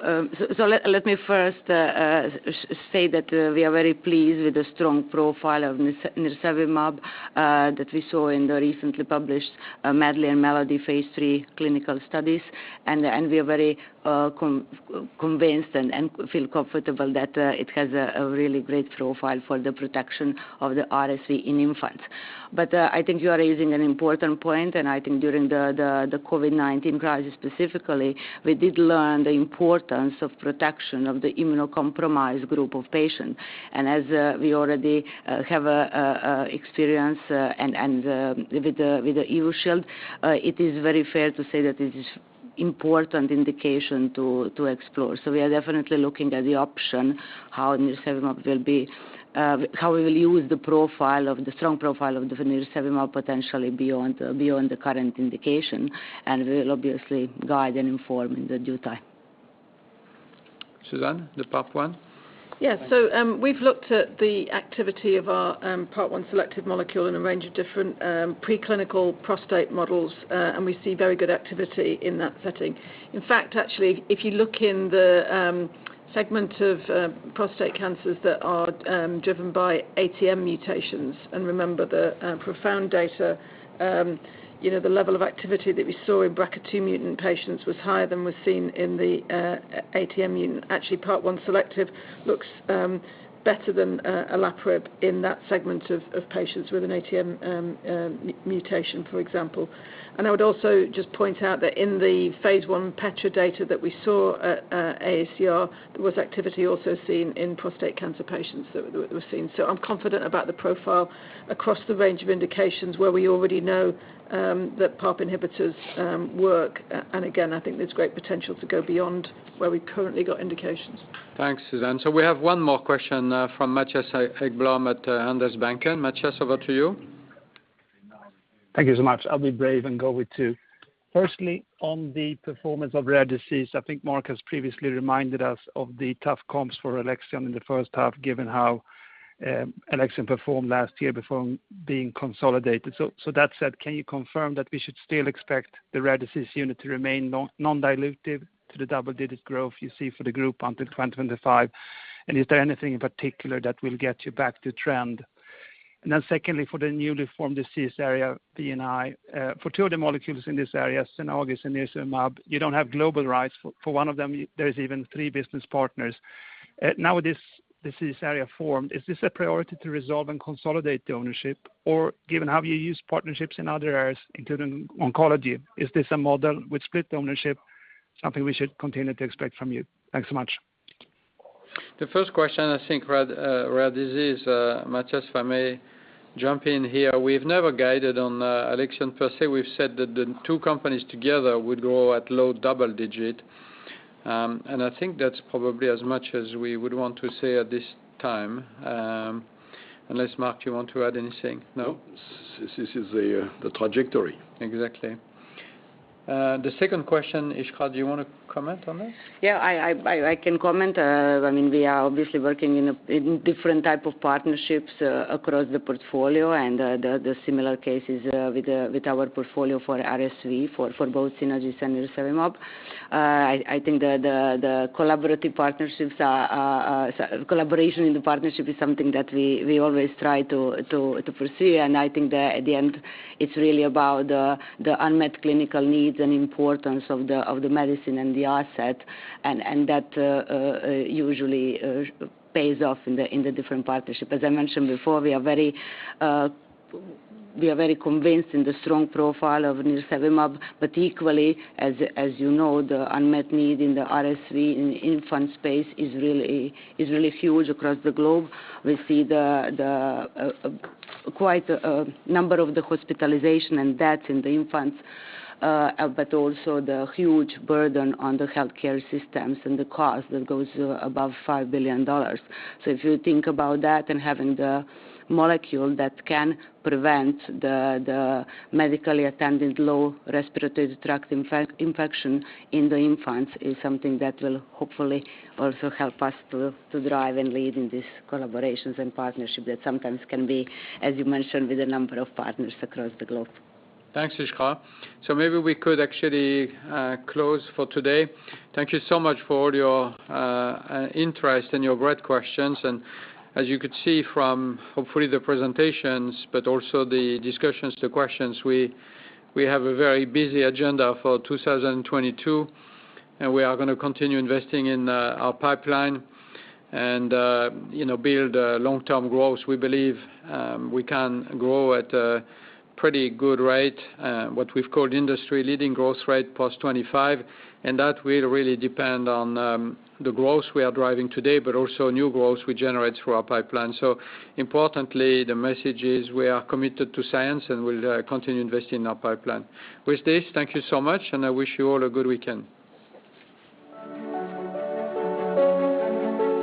So let me first say that we are very pleased with the strong profile of nirsevimab that we saw in the recently published MEDLEY and MELODY phase III clinical studies. We are very convinced and feel comfortable that it has a really great profile for the protection of RSV in infants. I think you are raising an important point, and I think during the COVID-19 crisis specifically, we did learn the importance of protection of the immunocompromised group of patients. As we already have experience with Evusheld, it is very fair to say that it is important indication to explore. We are definitely looking at the option how nirsevimab will be. How we will use the strong profile of nirsevimab potentially beyond the current indication, and we will obviously guide and inform in the due time. Susan, the PARP-1? Yeah, we've looked at the activity of our PARP-1 selective molecule in a range of different preclinical prostate models, and we see very good activity in that setting. In fact, actually, if you look in the segment of prostate cancers that are driven by ATM mutations, remember the PROfound data, you know, the level of activity that we saw in BRCA2 mutant patients was higher than was seen in the ATM mutant. Actually, PARP-1 selective looks better than olaparib in that segment of patients with an ATM mutation, for example. I would also just point out that in the phase I PETRA data that we saw at AACR, there was activity also seen in prostate cancer patients that were seen. I'm confident about the profile across the range of indications where we already know that PARP inhibitors work. I think there's great potential to go beyond where we've currently got indications. Thanks, Susan. We have one more question from Mattias Häggblom at Handelsbanken. Mattias, over to you. Thank you so much. I'll be brave and go with two. Firstly, on the performance of Rare Disease, I think Mark has previously reminded us of the tough comps for Alexion in the first half, given how Alexion performed last year before being consolidated. So that said, can you confirm that we should still expect the Rare Disease unit to remain non-dilutive to the double-digit growth you see for the group until 2025? And is there anything in particular that will get you back to trend? Then secondly, for the newly formed disease area, V&I, for two of the molecules in this area, Synagis and nirsevimab, you don't have global rights. For one of them, there's even three business partners. Now with this disease area formed, is this a priority to resolve and consolidate the ownership? Given how you use partnerships in other areas, including oncology, is this a model with split ownership something we should continue to expect from you? Thanks so much. The first question, I think, rare disease, Mattias, if I may jump in here. We've never guided on Alexion per se. We've said that the two companies together would grow at low double digit. I think that's probably as much as we would want to say at this time. Unless, Mark, you want to add anything? No? This is the trajectory. Exactly. The second question, Iskra, do you wanna comment on this? Yeah, I can comment. I mean, we are obviously working in a different type of partnerships across the portfolio and the similar cases with our portfolio for RSV for both Synagis and nirsevimab. I think the collaborative partnerships collaboration in the partnership is something that we always try to pursue, and I think that at the end it's really about the unmet clinical needs and importance of the medicine and the asset. That usually pays off in the different partnership. As I mentioned before, we are very convinced in the strong profile of nirsevimab, but equally, as you know, the unmet need in the RSV infant space is really huge across the globe. We see the quite number of the hospitalization and death in the infants, but also the huge burden on the healthcare systems and the cost that goes above $5 billion. If you think about that and having the molecule that can prevent the medically attended low respiratory tract infection in the infants is something that will hopefully also help us to drive and lead in these collaborations and partnership that sometimes can be, as you mentioned, with a number of partners across the globe. Thanks, Iskra. Maybe we could actually close for today. Thank you so much for all your interest and your great questions. As you could see from hopefully the presentations but also the discussions, the questions, we have a very busy agenda for 2022, and we are gonna continue investing in our pipeline and you know, build long-term growth. We believe we can grow at a pretty good rate what we've called industry leading growth rate post-25, and that will really depend on the growth we are driving today but also new growth we generate through our pipeline. Importantly, the message is we are committed to science, and we'll continue investing in our pipeline. With this, thank you so much, and I wish you all a good weekend.